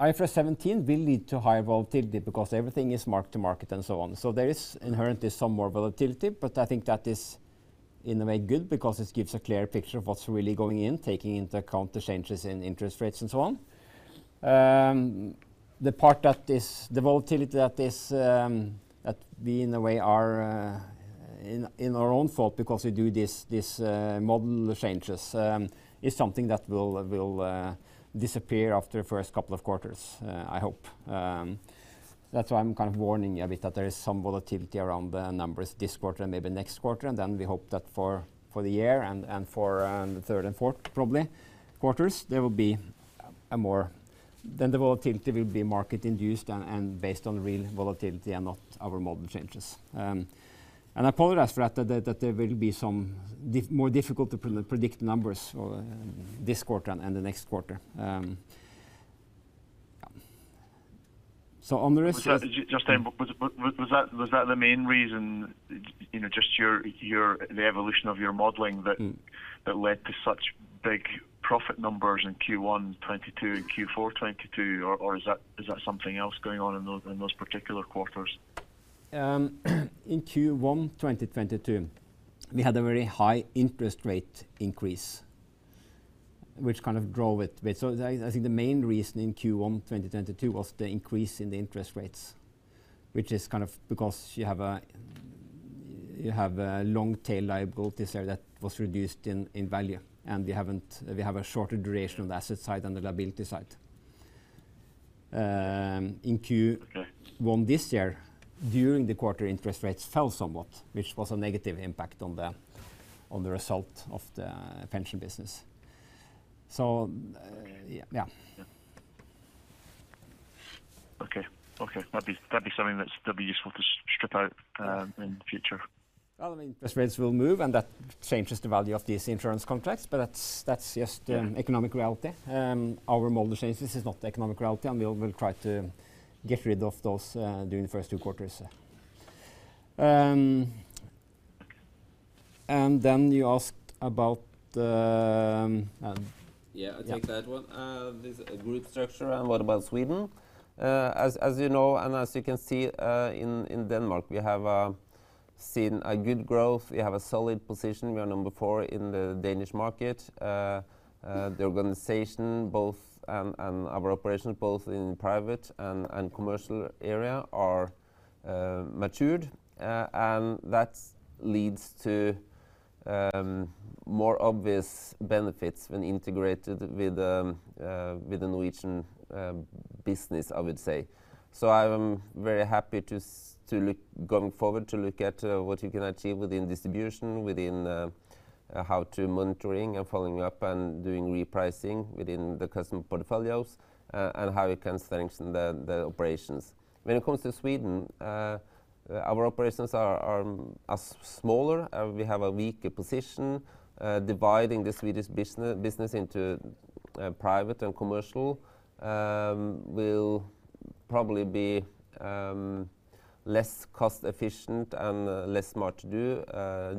IFRS 17 will lead to higher volatility because everything is marked to market and so on. There is inherently some more volatility, but I think that is in a way good because it gives a clear picture of what's really going in, taking into account the changes in interest rates and so on. The part that is the volatility that is that we in a way are in our own fault because we do this model changes, is something that will disappear after the first couple of quarters, I hope. That's why I'm kind of warning a bit that there is some volatility around the numbers this quarter and maybe next quarter. We hope that for the year and for the third and fourth probably quarters, there will be then the volatility will be market induced and based on real volatility and not our model changes. I apologize for that there will be more difficult to pre-predict numbers or this quarter and the next quarter. On the rest of. Just, was that the main reason, you know, just your, the evolution of your modeling? Mm that led to such big profit numbers in Q1 2022 and Q4 2022, or is that something else going on in those particular quarters? In Q1 2022, we had a very high interest rate increase, which kind of drove it a bit. I think the main reason in Q1 2022 was the increase in the interest rates, which is kind of because you have a long tail liability series that was reduced in value, and we have a shorter duration on the asset side than the liability side. Okay one this year, during the quarter, interest rates fell somewhat, which was a negative impact on the result of the pension business. Yeah. Okay. Yeah. Okay. Okay. That'd be something that'd be useful to strip out in future. Well, I mean, interest rates will move, and that changes the value of these insurance contracts, but that's just. Yeah the economic reality. Our model changes is not the economic reality, and we will try to get rid of those during the first two quarters. Then you asked about, Yeah, I'll take that one. This group structure and what about Sweden? As you know, and as you can see, in Denmark, we have seen a good growth. We have a solid position. We are number four in the Danish market. The organization both and our operations both in private and commercial area are matured, and that leads to more obvious benefits when integrated with the Norwegian business, I would say. I am very happy to look, going forward, to look at what you can achieve within distribution, within how to monitoring and following up and doing repricing within the custom portfolios, and how you can strengthen the operations. When it comes to Sweden, our operations are smaller. We have a weaker position, dividing the Swedish business into private and commercial will probably be less cost-efficient and less smart to do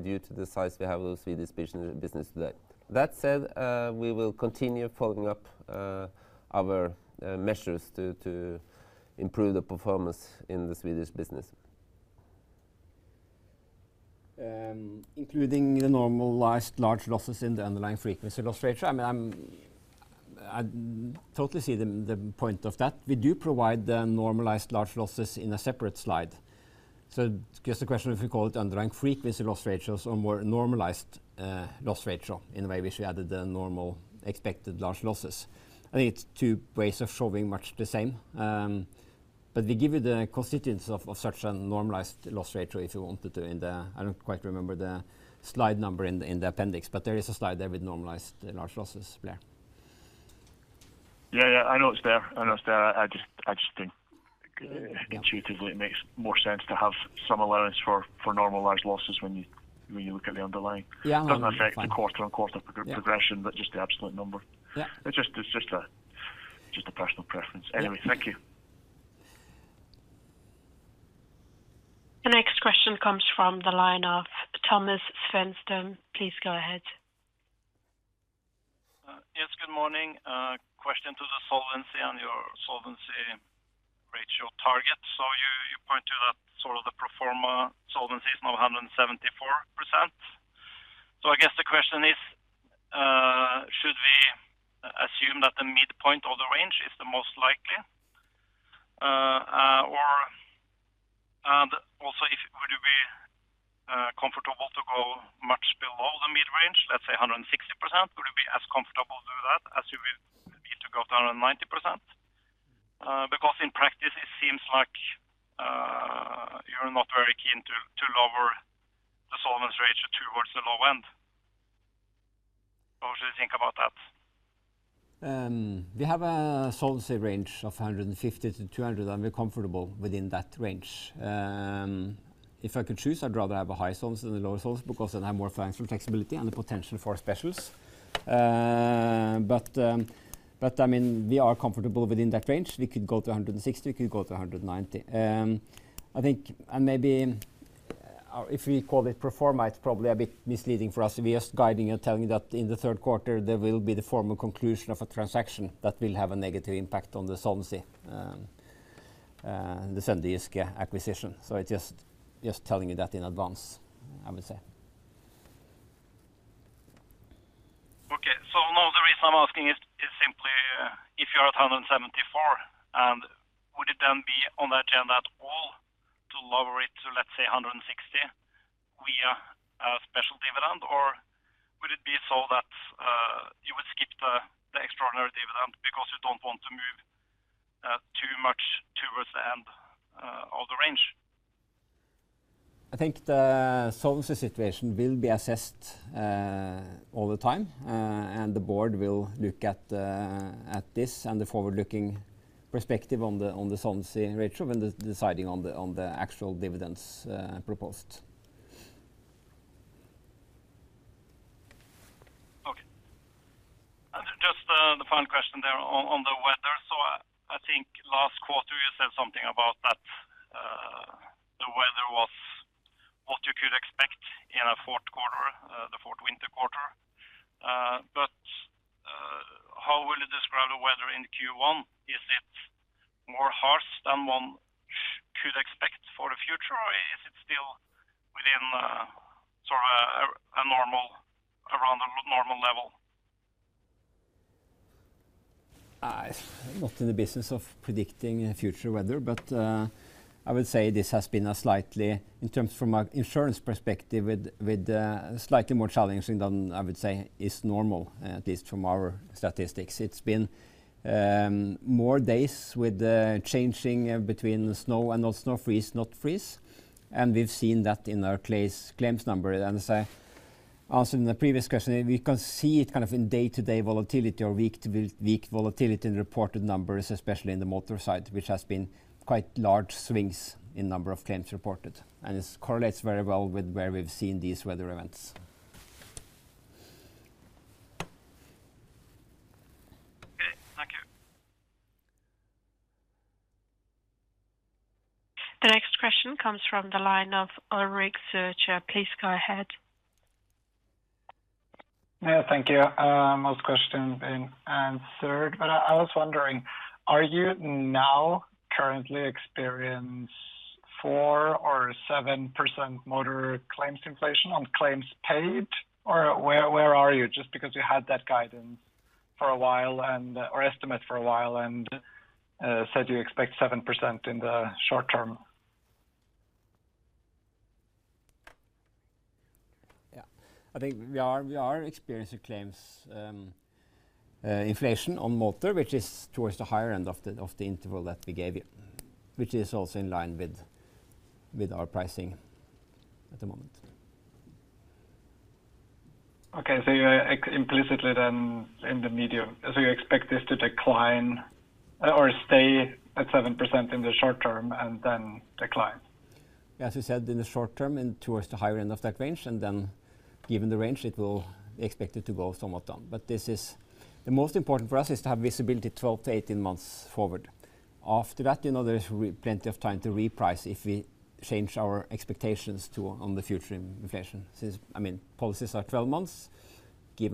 due to the size we have with Swedish business today. That said, we will continue following up our measures to improve the performance in the Swedish business. Including the normalized large losses in the underlying frequency loss ratio, I mean, I totally see the point of that. We do provide the normalized large losses in a separate slide. It's just a question if we call it underlying frequency loss ratios or more normalized loss ratio in a way which added the normal expected large losses. I think it's two ways of showing much the same. But we give you the constituents of such a normalized loss ratio, if you want it to, I don't quite remember the slide number in the appendix, but there is a slide there with normalized large losses there. Yeah, I know it's there. I know it's there. I just think intuitively it makes more sense to have some allowance for normal large losses when you look at the underlying. Yeah. It doesn't affect the quarter-on-quarter progression, but just the absolute number. Yeah. It's just a personal preference. Thank you. The next question comes from the line of Thomas Svendsen. Please go ahead. Yes, good morning. Question to the solvency on your solvency ratio target. You point to that sort of the pro forma solvency is now 174%. I guess the question is, should we assume that the midpoint of the range is the most likely? Would you be comfortable to go much below the mid-range, let's say 160%, would you be as comfortable to do that as you will need to go down 90%? Because in practice it seems like you're not very keen to lower the solvency ratio towards the low end. What should we think about that? We have a solvency range of 150%-200%, and we're comfortable within that range. If I could choose, I'd rather have a high solvency than a lower solvency because then I have more financial flexibility and the potential for specials. I mean, we are comfortable within that range. We could go to 160%, we could go to 190%. I think, maybe if we call it pro forma, it's probably a bit misleading for us. We are just guiding and telling you that in the third quarter there will be the formal conclusion of a transaction that will have a negative impact on the solvency, the Sønderjysk Forsikring acquisition. It's just telling you that in advance, I would say. The reason I'm asking is simply if you are at 174%, would it then be on the agenda at all to lower it to, let's say, 160% via a special dividend? Would it be so that you would skip the extraordinary dividend because you don't want to move too much towards the end of the range? I think the solvency situation will be assessed, all the time, and the board will look at this and the forward-looking perspective on the solvency ratio when they're deciding on the actual dividends proposed. Okay. Just the final question there on the weather. I think last quarter you said something about that, the weather was what you could expect in a fourth quarter, the fourth winter quarter. How will you describe the weather in Q1? Is it more harsh than one could expect for the future, or is it still within, sort of a normal, around a normal level? I'm not in the business of predicting future weather, but I would say this has been a slightly, in terms from an insurance perspective with slightly more challenging than I would say is normal, at least from our statistics. It's been more days with the changing between snow and not snow, freeze, not freeze. We've seen that in our claims number. As I answered in the previous question, we can see it kind of in day-to-day volatility or week to week volatility in reported numbers, especially in the motor side, which has been quite large swings in number of claims reported. This correlates very well with where we've seen these weather events. Okay. Thank you. The next question comes from the line of Ulrik Zürcher. Please go ahead. Thank you. Most question been answered, but I was wondering, are you now currently experience 4% or 7% motor claims inflation on claims paid, or where are you? Just because you had that guidance for a while and, or estimate for a while and, said you expect 7% in the short term. I think we are experiencing claims inflation on motor, which is towards the higher end of the interval that we gave you, which is also in line with our pricing at the moment. Okay. You are implicitly then in the medium. You expect this to decline or stay at 7% in the short term and then decline? As you said, in the short term and towards the higher end of that range, given the range, it will be expected to go somewhat down. This is. The most important for us is to have visibility 12 to 18 months forward. After that, you know, there's plenty of time to reprice if we change our expectations to on the future inflation since, I mean, policies are 12 months, give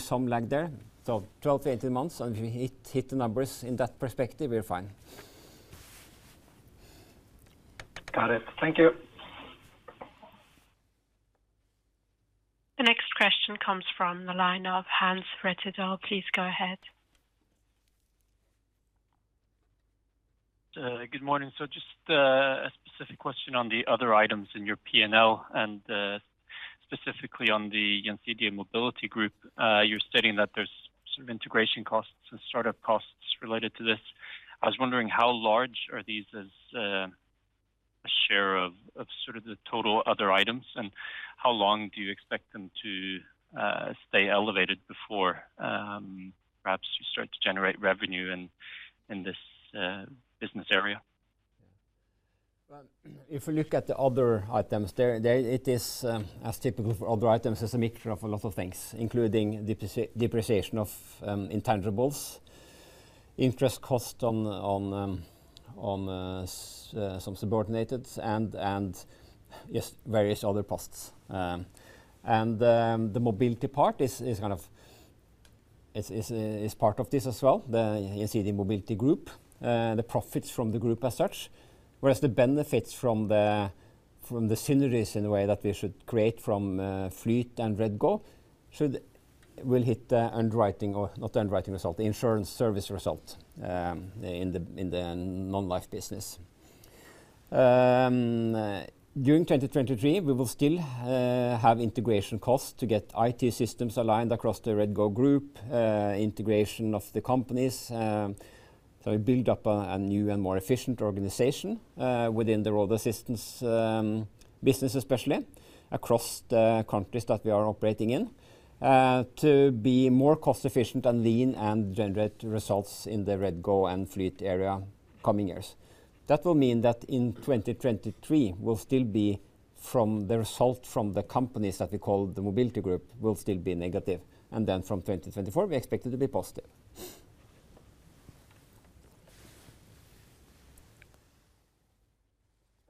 some lag there. 12 to 18 months, and if we hit the numbers in that perspective, we are fine. Got it. Thank you. The next question comes from the line of Hans Rettedal. Please go ahead. Good morning. Just a specific question on the other items in your P&L and specifically on the Gjensidige Mobility Group. You're stating that there's sort of integration costs and startup costs related to this. I was wondering how large are these. Share of sort of the total other items, and how long do you expect them to stay elevated before, perhaps you start to generate revenue in this business area? If you look at the other items, there it is, as typical for other items, it's a mixture of a lot of things, including depreciation of intangibles, interest cost on some subordinated, and just various other costs. The mobility part is kind of is part of this as well. You see the mobility group, the profits from the group as such. The benefits from the synergies in the way that we should create from Flyt and REDGO will hit the underwriting or not the underwriting result, the insurance service result in the non-life business. During 2023, we will still have integration costs to get IT systems aligned across the REDGO group, integration of the companies, so we build up a new and more efficient organization within the road assistance business, especially across the countries that we are operating in, to be more cost efficient and lean and generate results in the REDGO and Flyt area coming years. That will mean that in 2023, we'll still be from the result from the companies that we call the Gjensidige Mobility Group will still be negative, and from 2024, we expect it to be positive.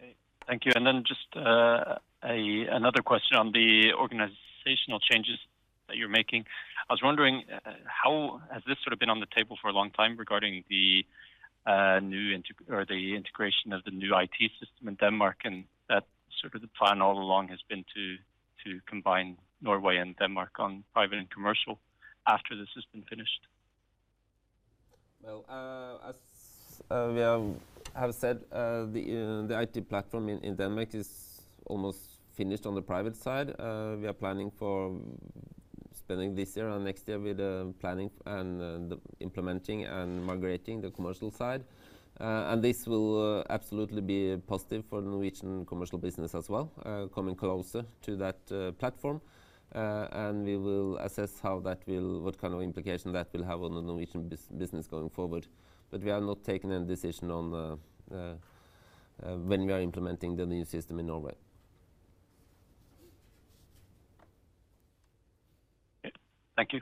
Okay. Thank you. Then just another question on the organizational changes that you're making. I was wondering how? Has this sort of been on the table for a long time regarding the new or the integration of the new IT system in Denmark, and that sort of the plan all along has been to combine Norway and Denmark on private and commercial after the system finished? Well, as we have said, the IT platform in Denmark is almost finished on the private side. We are planning for spending this year and next year with planning and the implementing and migrating the commercial side. This will absolutely be positive for the Norwegian commercial business as well, coming closer to that platform. We will assess how that will, what kind of implication that will have on the Norwegian business going forward. We have not taken any decision on when we are implementing the new system in Norway. Okay. Thank you.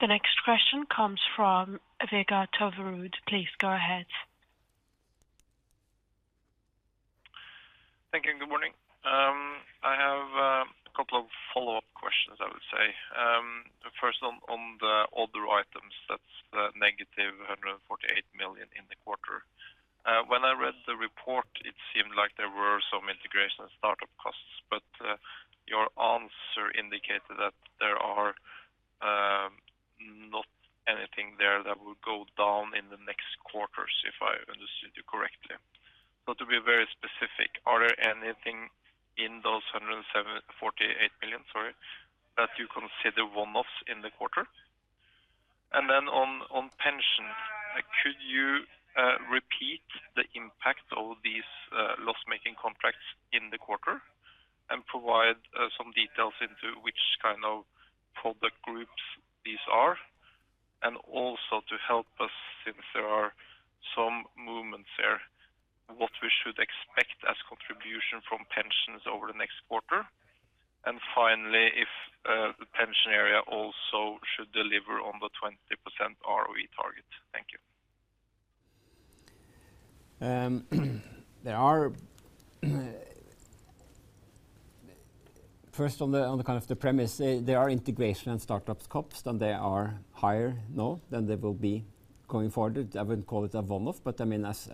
The next question comes from Vegard Toverud. Please go ahead. Thank you. Good morning. I have a couple of follow-up questions, I would say. First on the other items, that's the negative 148 million in the quarter. When I read the report, it seemed like there were some integration and startup costs, but your answer indicated that there are not anything there that will go down in the next quarters, if I understood you correctly. To be very specific, are there anything in those 148 million, sorry, that you consider one-offs in the quarter? Then on pension, could you repeat the impact of these loss-making contracts in the quarter and provide some details into which kind of product groups these are? Also to help us since there are some movements there, what we should expect as contribution from pensions over the next quarter. Finally, if the pension area also should deliver on the 20% ROE target. Thank you. First on the kind of the premise, there are integration and startup costs, and they are higher now than they will be going forward. I wouldn't call it a one-off, but I mean, as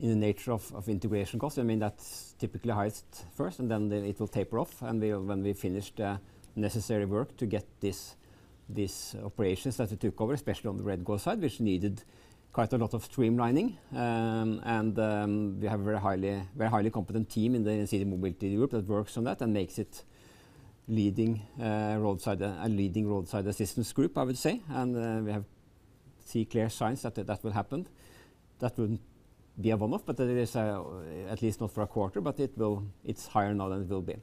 in the nature of integration costs, I mean, that's typically highest first, and then it will taper off. We'll when we finish the necessary work to get this, these operations that we took over, especially on the REDGO side, which needed quite a lot of streamlining. And we have a very highly competent team in the Gjensidige Mobility Group that works on that and makes it a leading roadside assistance group, I would say. We have three clear signs that that will happen. That wouldn't be a one-off, but it is, at least not for a quarter, but it's higher now than it will be.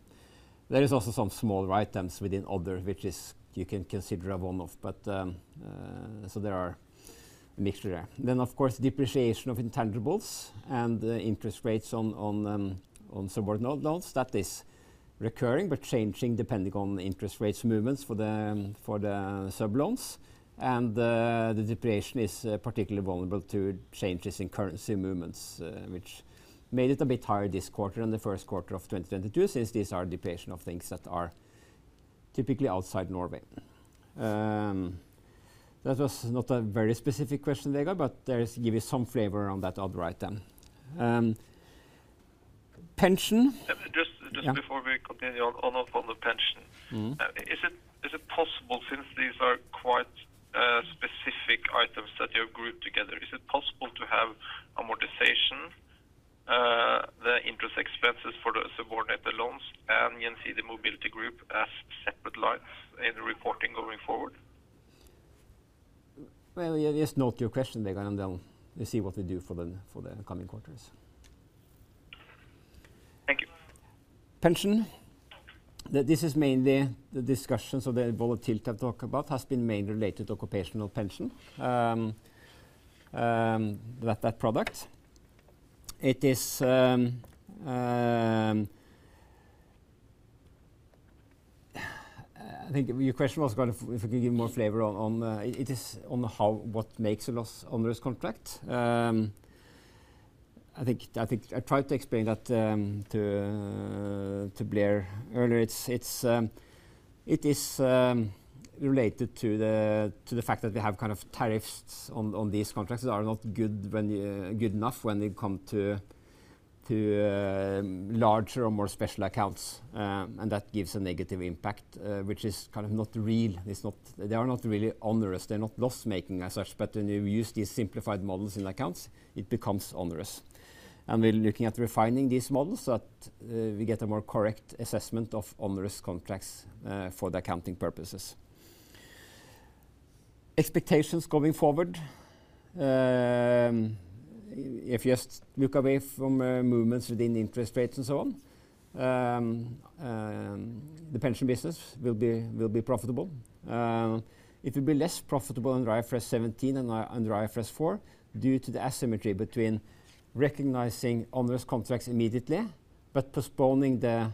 There is also some small items within other, which is you can consider a one-off. There are mixture there. Of course, depreciation of intangibles and the interest rates on subordinate loans, that is recurring, but changing depending on interest rates movements for the sub loans. The depreciation is particularly vulnerable to changes in currency movements, which made it a bit higher this quarter and the first quarter of 2022, since these are depreciation of things that are typically outside Norway. That was not a very specific question, Vegard, there is give you some flavor on that other item. Just before we continue on the pension. Mm-hmm. Is it possible since these are quite specific items that you have grouped together, is it possible to see the Mobility Group as separate lines in the reporting going forward? Well, yeah, just note your question, Vegard, and then we'll see what we do for the, for the coming quarters. Thank you. Pension. This is mainly the discussions of the volatility I've talked about has been mainly related to occupational pension, that product. It is, I think your question was kind of if we could give more flavor on, it is on how what makes a loss onerous contract. I think I tried to explain that to Blair earlier. It's related to the fact that we have kind of tariffs on these contracts that are not good when good enough when they come to larger or more special accounts, and that gives a negative impact, which is kind of not real. They are not really onerous. They're not loss-making as such, but when you use these simplified models in accounts, it becomes onerous. We're looking at refining these models that we get a more correct assessment of onerous contracts for the accounting purposes. Expectations going forward. If you just look away from movements within interest rates and so on, the pension business will be profitable. It will be less profitable under IFRS 17 and IFRS 4, due to the asymmetry between recognizing onerous contracts immediately but postponing the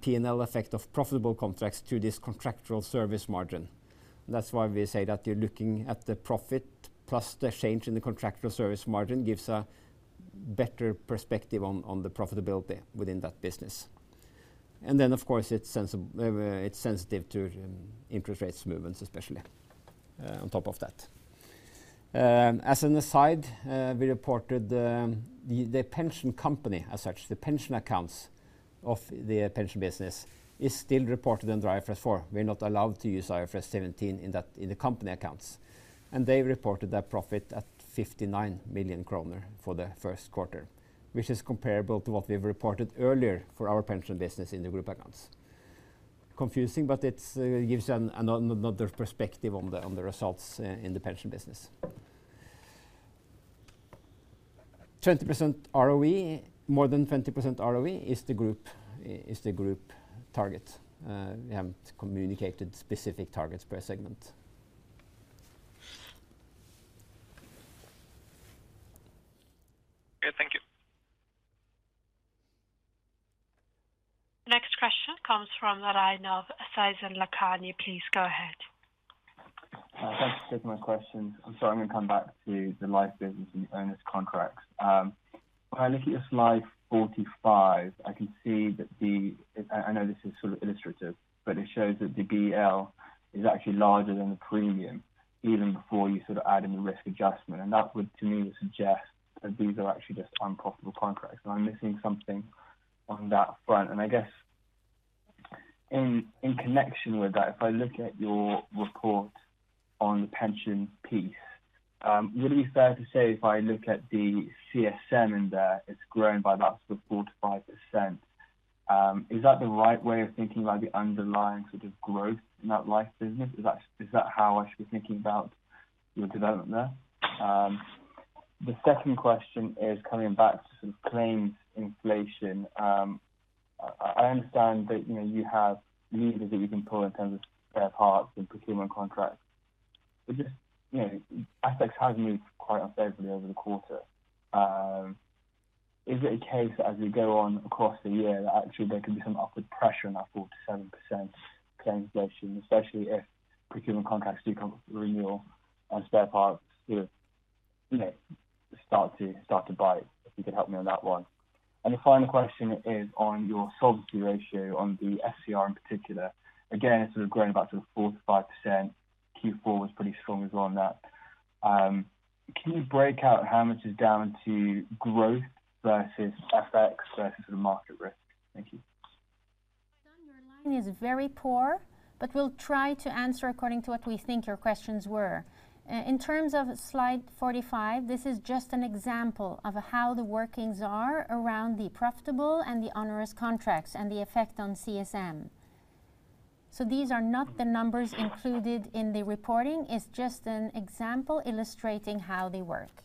P&L effect of profitable contracts to this contractual service margin. That's why we say that you're looking at the profit plus the change in the contractual service margin gives a better perspective on the profitability within that business. Of course, it's sensitive to interest rates movements, especially on top of that. As an aside, we reported the pension company as such, the pension accounts of the pension business is still reported under IFRS 4. We're not allowed to use IFRS 17 in the company accounts. They reported that profit at 59 million kroner for the first quarter, which is comparable to what we've reported earlier for our pension business in the group accounts. Confusing, it gives another perspective on the results in the pension business. 20% ROE, more than 20% ROE is the group target. We haven't communicated specific targets per segment. Okay. Thank you. Next question comes from the line of Faizan Lakhani. Please go ahead. Thanks for taking my question. I'm sorry, I'm gonna come back to the life business and the onerous contracts. When I look at your slide 45, I know this is sort of illustrative, but it shows that the BEL is actually larger than the premium even before you sort of add in the risk adjustment. That would, to me, would suggest that these are actually just unprofitable contracts, and I'm missing something on that front. I guess in connection with that, if I look at your report on the pension piece, would it be fair to say if I look at the CSM in there, it's grown by about sort of 4%-5%, is that the right way of thinking about the underlying sort of growth in that life business? Is that how I should be thinking about your development there? The second question is coming back to some claims inflation. I understand that, you know, you have levers that you can pull in terms of spare parts and procurement contracts. Just, you know, aspects have moved quite unfavorably over the quarter. Is it a case as we go on across the year that actually there can be some upward pressure in that 4%-7% claims inflation, especially if procurement contracts do come up for renewal on spare parts to, you know, start to bite? If you could help me on that one. The final question is on your solvency ratio, on the SCR in particular. Again, it's sort of grown about 4%-5%. Q4 was pretty strong as well on that. Can you break out how much is down to growth versus FX versus the market risk? Thank you. Your line is very poor, we'll try to answer according to what we think your questions were. In terms of slide 45, this is just an example of how the workings are around the profitable and the onerous contracts and the effect on CSM. These are not the numbers included in the reporting. It's just an example illustrating how they work.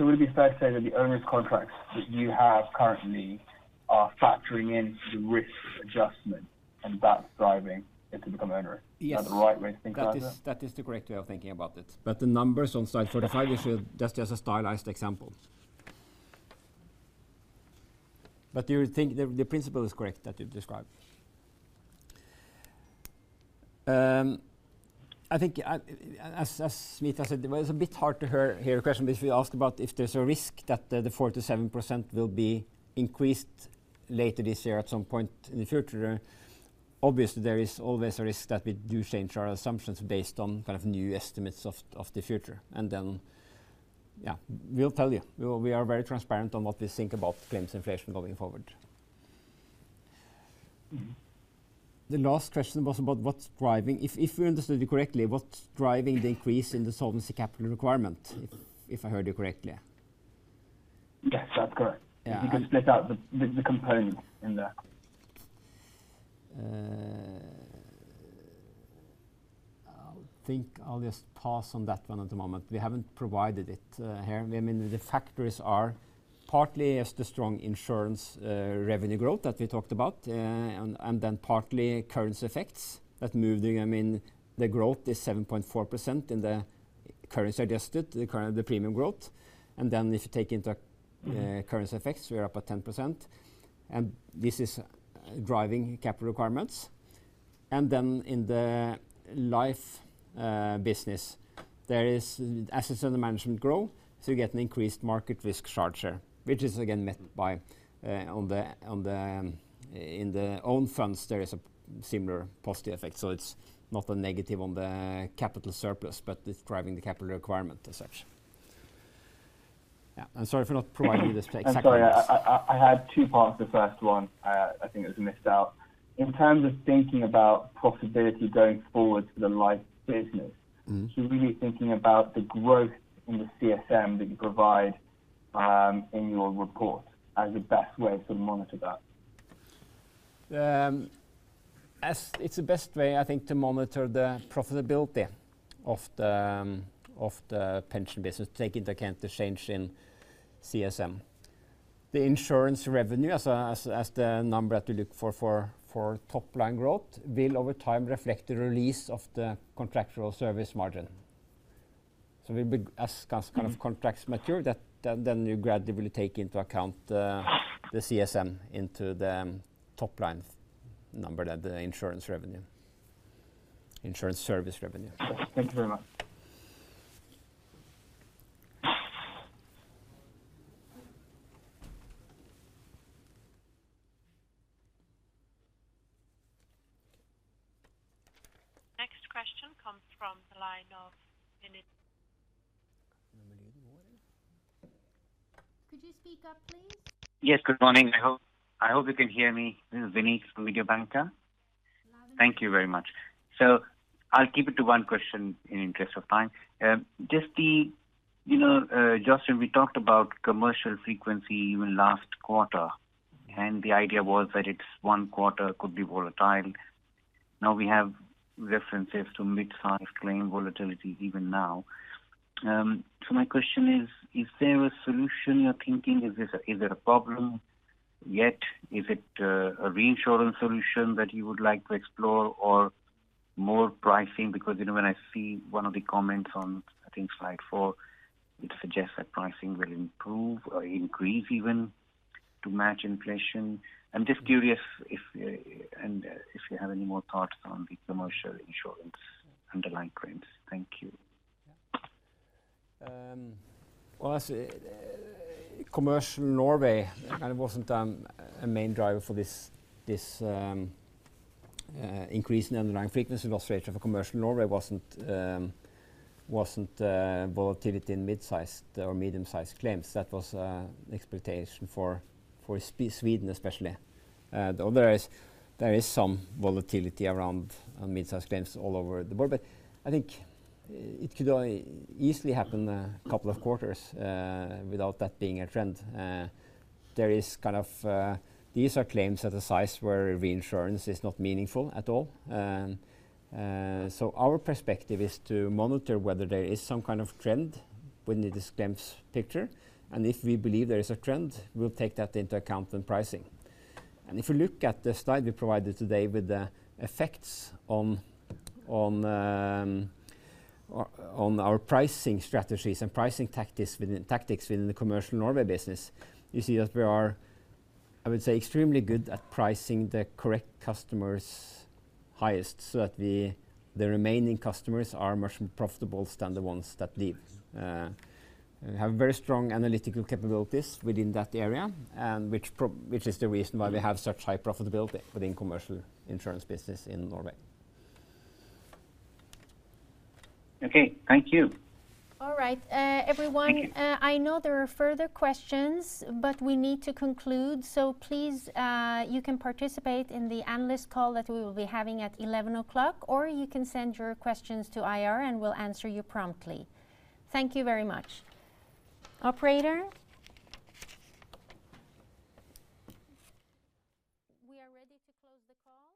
Would it be fair to say that the onerous contracts that you have currently are factoring in to the risk adjustment, and that's driving it to become onerous? Yes. Is that the right way to think about it? That is the correct way of thinking about it. The numbers on slide 45 is just a stylized example. You would think the principle is correct that you've described. I think as Mitra said, it was a bit hard to hear your question, but if you asked about if there's a risk that the 4%-7% will be increased later this year at some point in the future, obviously, there is always a risk that we do change our assumptions based on kind of new estimates of the future. Yeah, we'll tell you. We are very transparent on what we think about claims inflation going forward. The last question was about if we understood you correctly, what's driving the increase in the solvency capital requirement, if I heard you correctly? Yes, that's correct. Yeah. If you can split out the components in there. I think I'll just pause on that one at the moment. We haven't provided it here. I mean, the factors are partly just the strong insurance revenue growth that we talked about, then partly currency effects that moving, I mean, the growth is 7.4% in the currency adjusted, the premium growth. Then if you take into currency effects, we are up at 10%, and this is driving capital requirements. Then in the life business, there is assets under management growth, so you get an increased market risk charge share, which is again met by in the own funds, there is a similar positive effect. It's not a negative on the capital surplus, but it's driving the capital requirement as such. Yeah. I'm sorry for not providing you the exact numbers. I'm sorry. I had two parts. The first one, I think it was missed out. In terms of thinking about profitability going forward for the life business Mm-hmm. Really thinking about the growth in the CSM that you provide, in your report as the best way to monitor that. As it's the best way, I think, to monitor the profitability of the pension business, take into account the change in CSM. The insurance revenue as the number that we look for top line growth will over time reflect the release of the contractual service margin. We'll be as kind of contracts mature that then you gradually take into account the CSM into the top line number, the insurance revenue, insurance service revenue. Thank you very much. Next question comes from the line of Vinit. Vinit what? Could you speak up, please? Yes. Good morning. I hope you can hear me. This is Vinit from Mediobanca. Louder. Thank you very much. I'll keep it to one question in interest of time. Just the, you know, Jostein, we talked about commercial frequency even last quarter, and the idea was that it's one quarter could be volatile. Now we have references to mid-size claim volatility even now. My question is a solution you're thinking? Is it a problem yet? Is it, a reinsurance solution that you would like to explore or more pricing? You know, when I see one of the comments on, I think slide four, it suggests that pricing will improve or increase even to match inflation. I'm just curious if, and if you have any more thoughts on the commercial insurance underlying claims. Thank you. Yeah. Well, as commercial Norway kind of wasn't a main driver for this increase in underlying frequency, wasn't volatility in mid-sized or medium-sized claims. That was expectation for Sweden especially. There is some volatility around mid-sized claims all over the board, but I think it could easily happen a couple of quarters without that being a trend. There is kind of these are claims at a size where reinsurance is not meaningful at all. Our perspective is to monitor whether there is some kind of trend within this claims picture, and if we believe there is a trend, we'll take that into account in pricing. If you look at the slide we provided today with the effects on our pricing strategies and pricing tactics within the commercial Norway business, you see that we are, I would say extremely good at pricing the correct customers highest, so that we, the remaining customers are much more profitable than the ones that leave. Have very strong analytical capabilities within that area and which is the reason why we have such high profitability within commercial insurance business in Norway. Okay. Thank you. All right. Thank you. I know there are further questions. We need to conclude. Please, you can participate in the analyst call that we will be having at 11:00 A.M. You can send your questions to IR. We'll answer you promptly. Thank you very much. Operator? We are ready to close the call.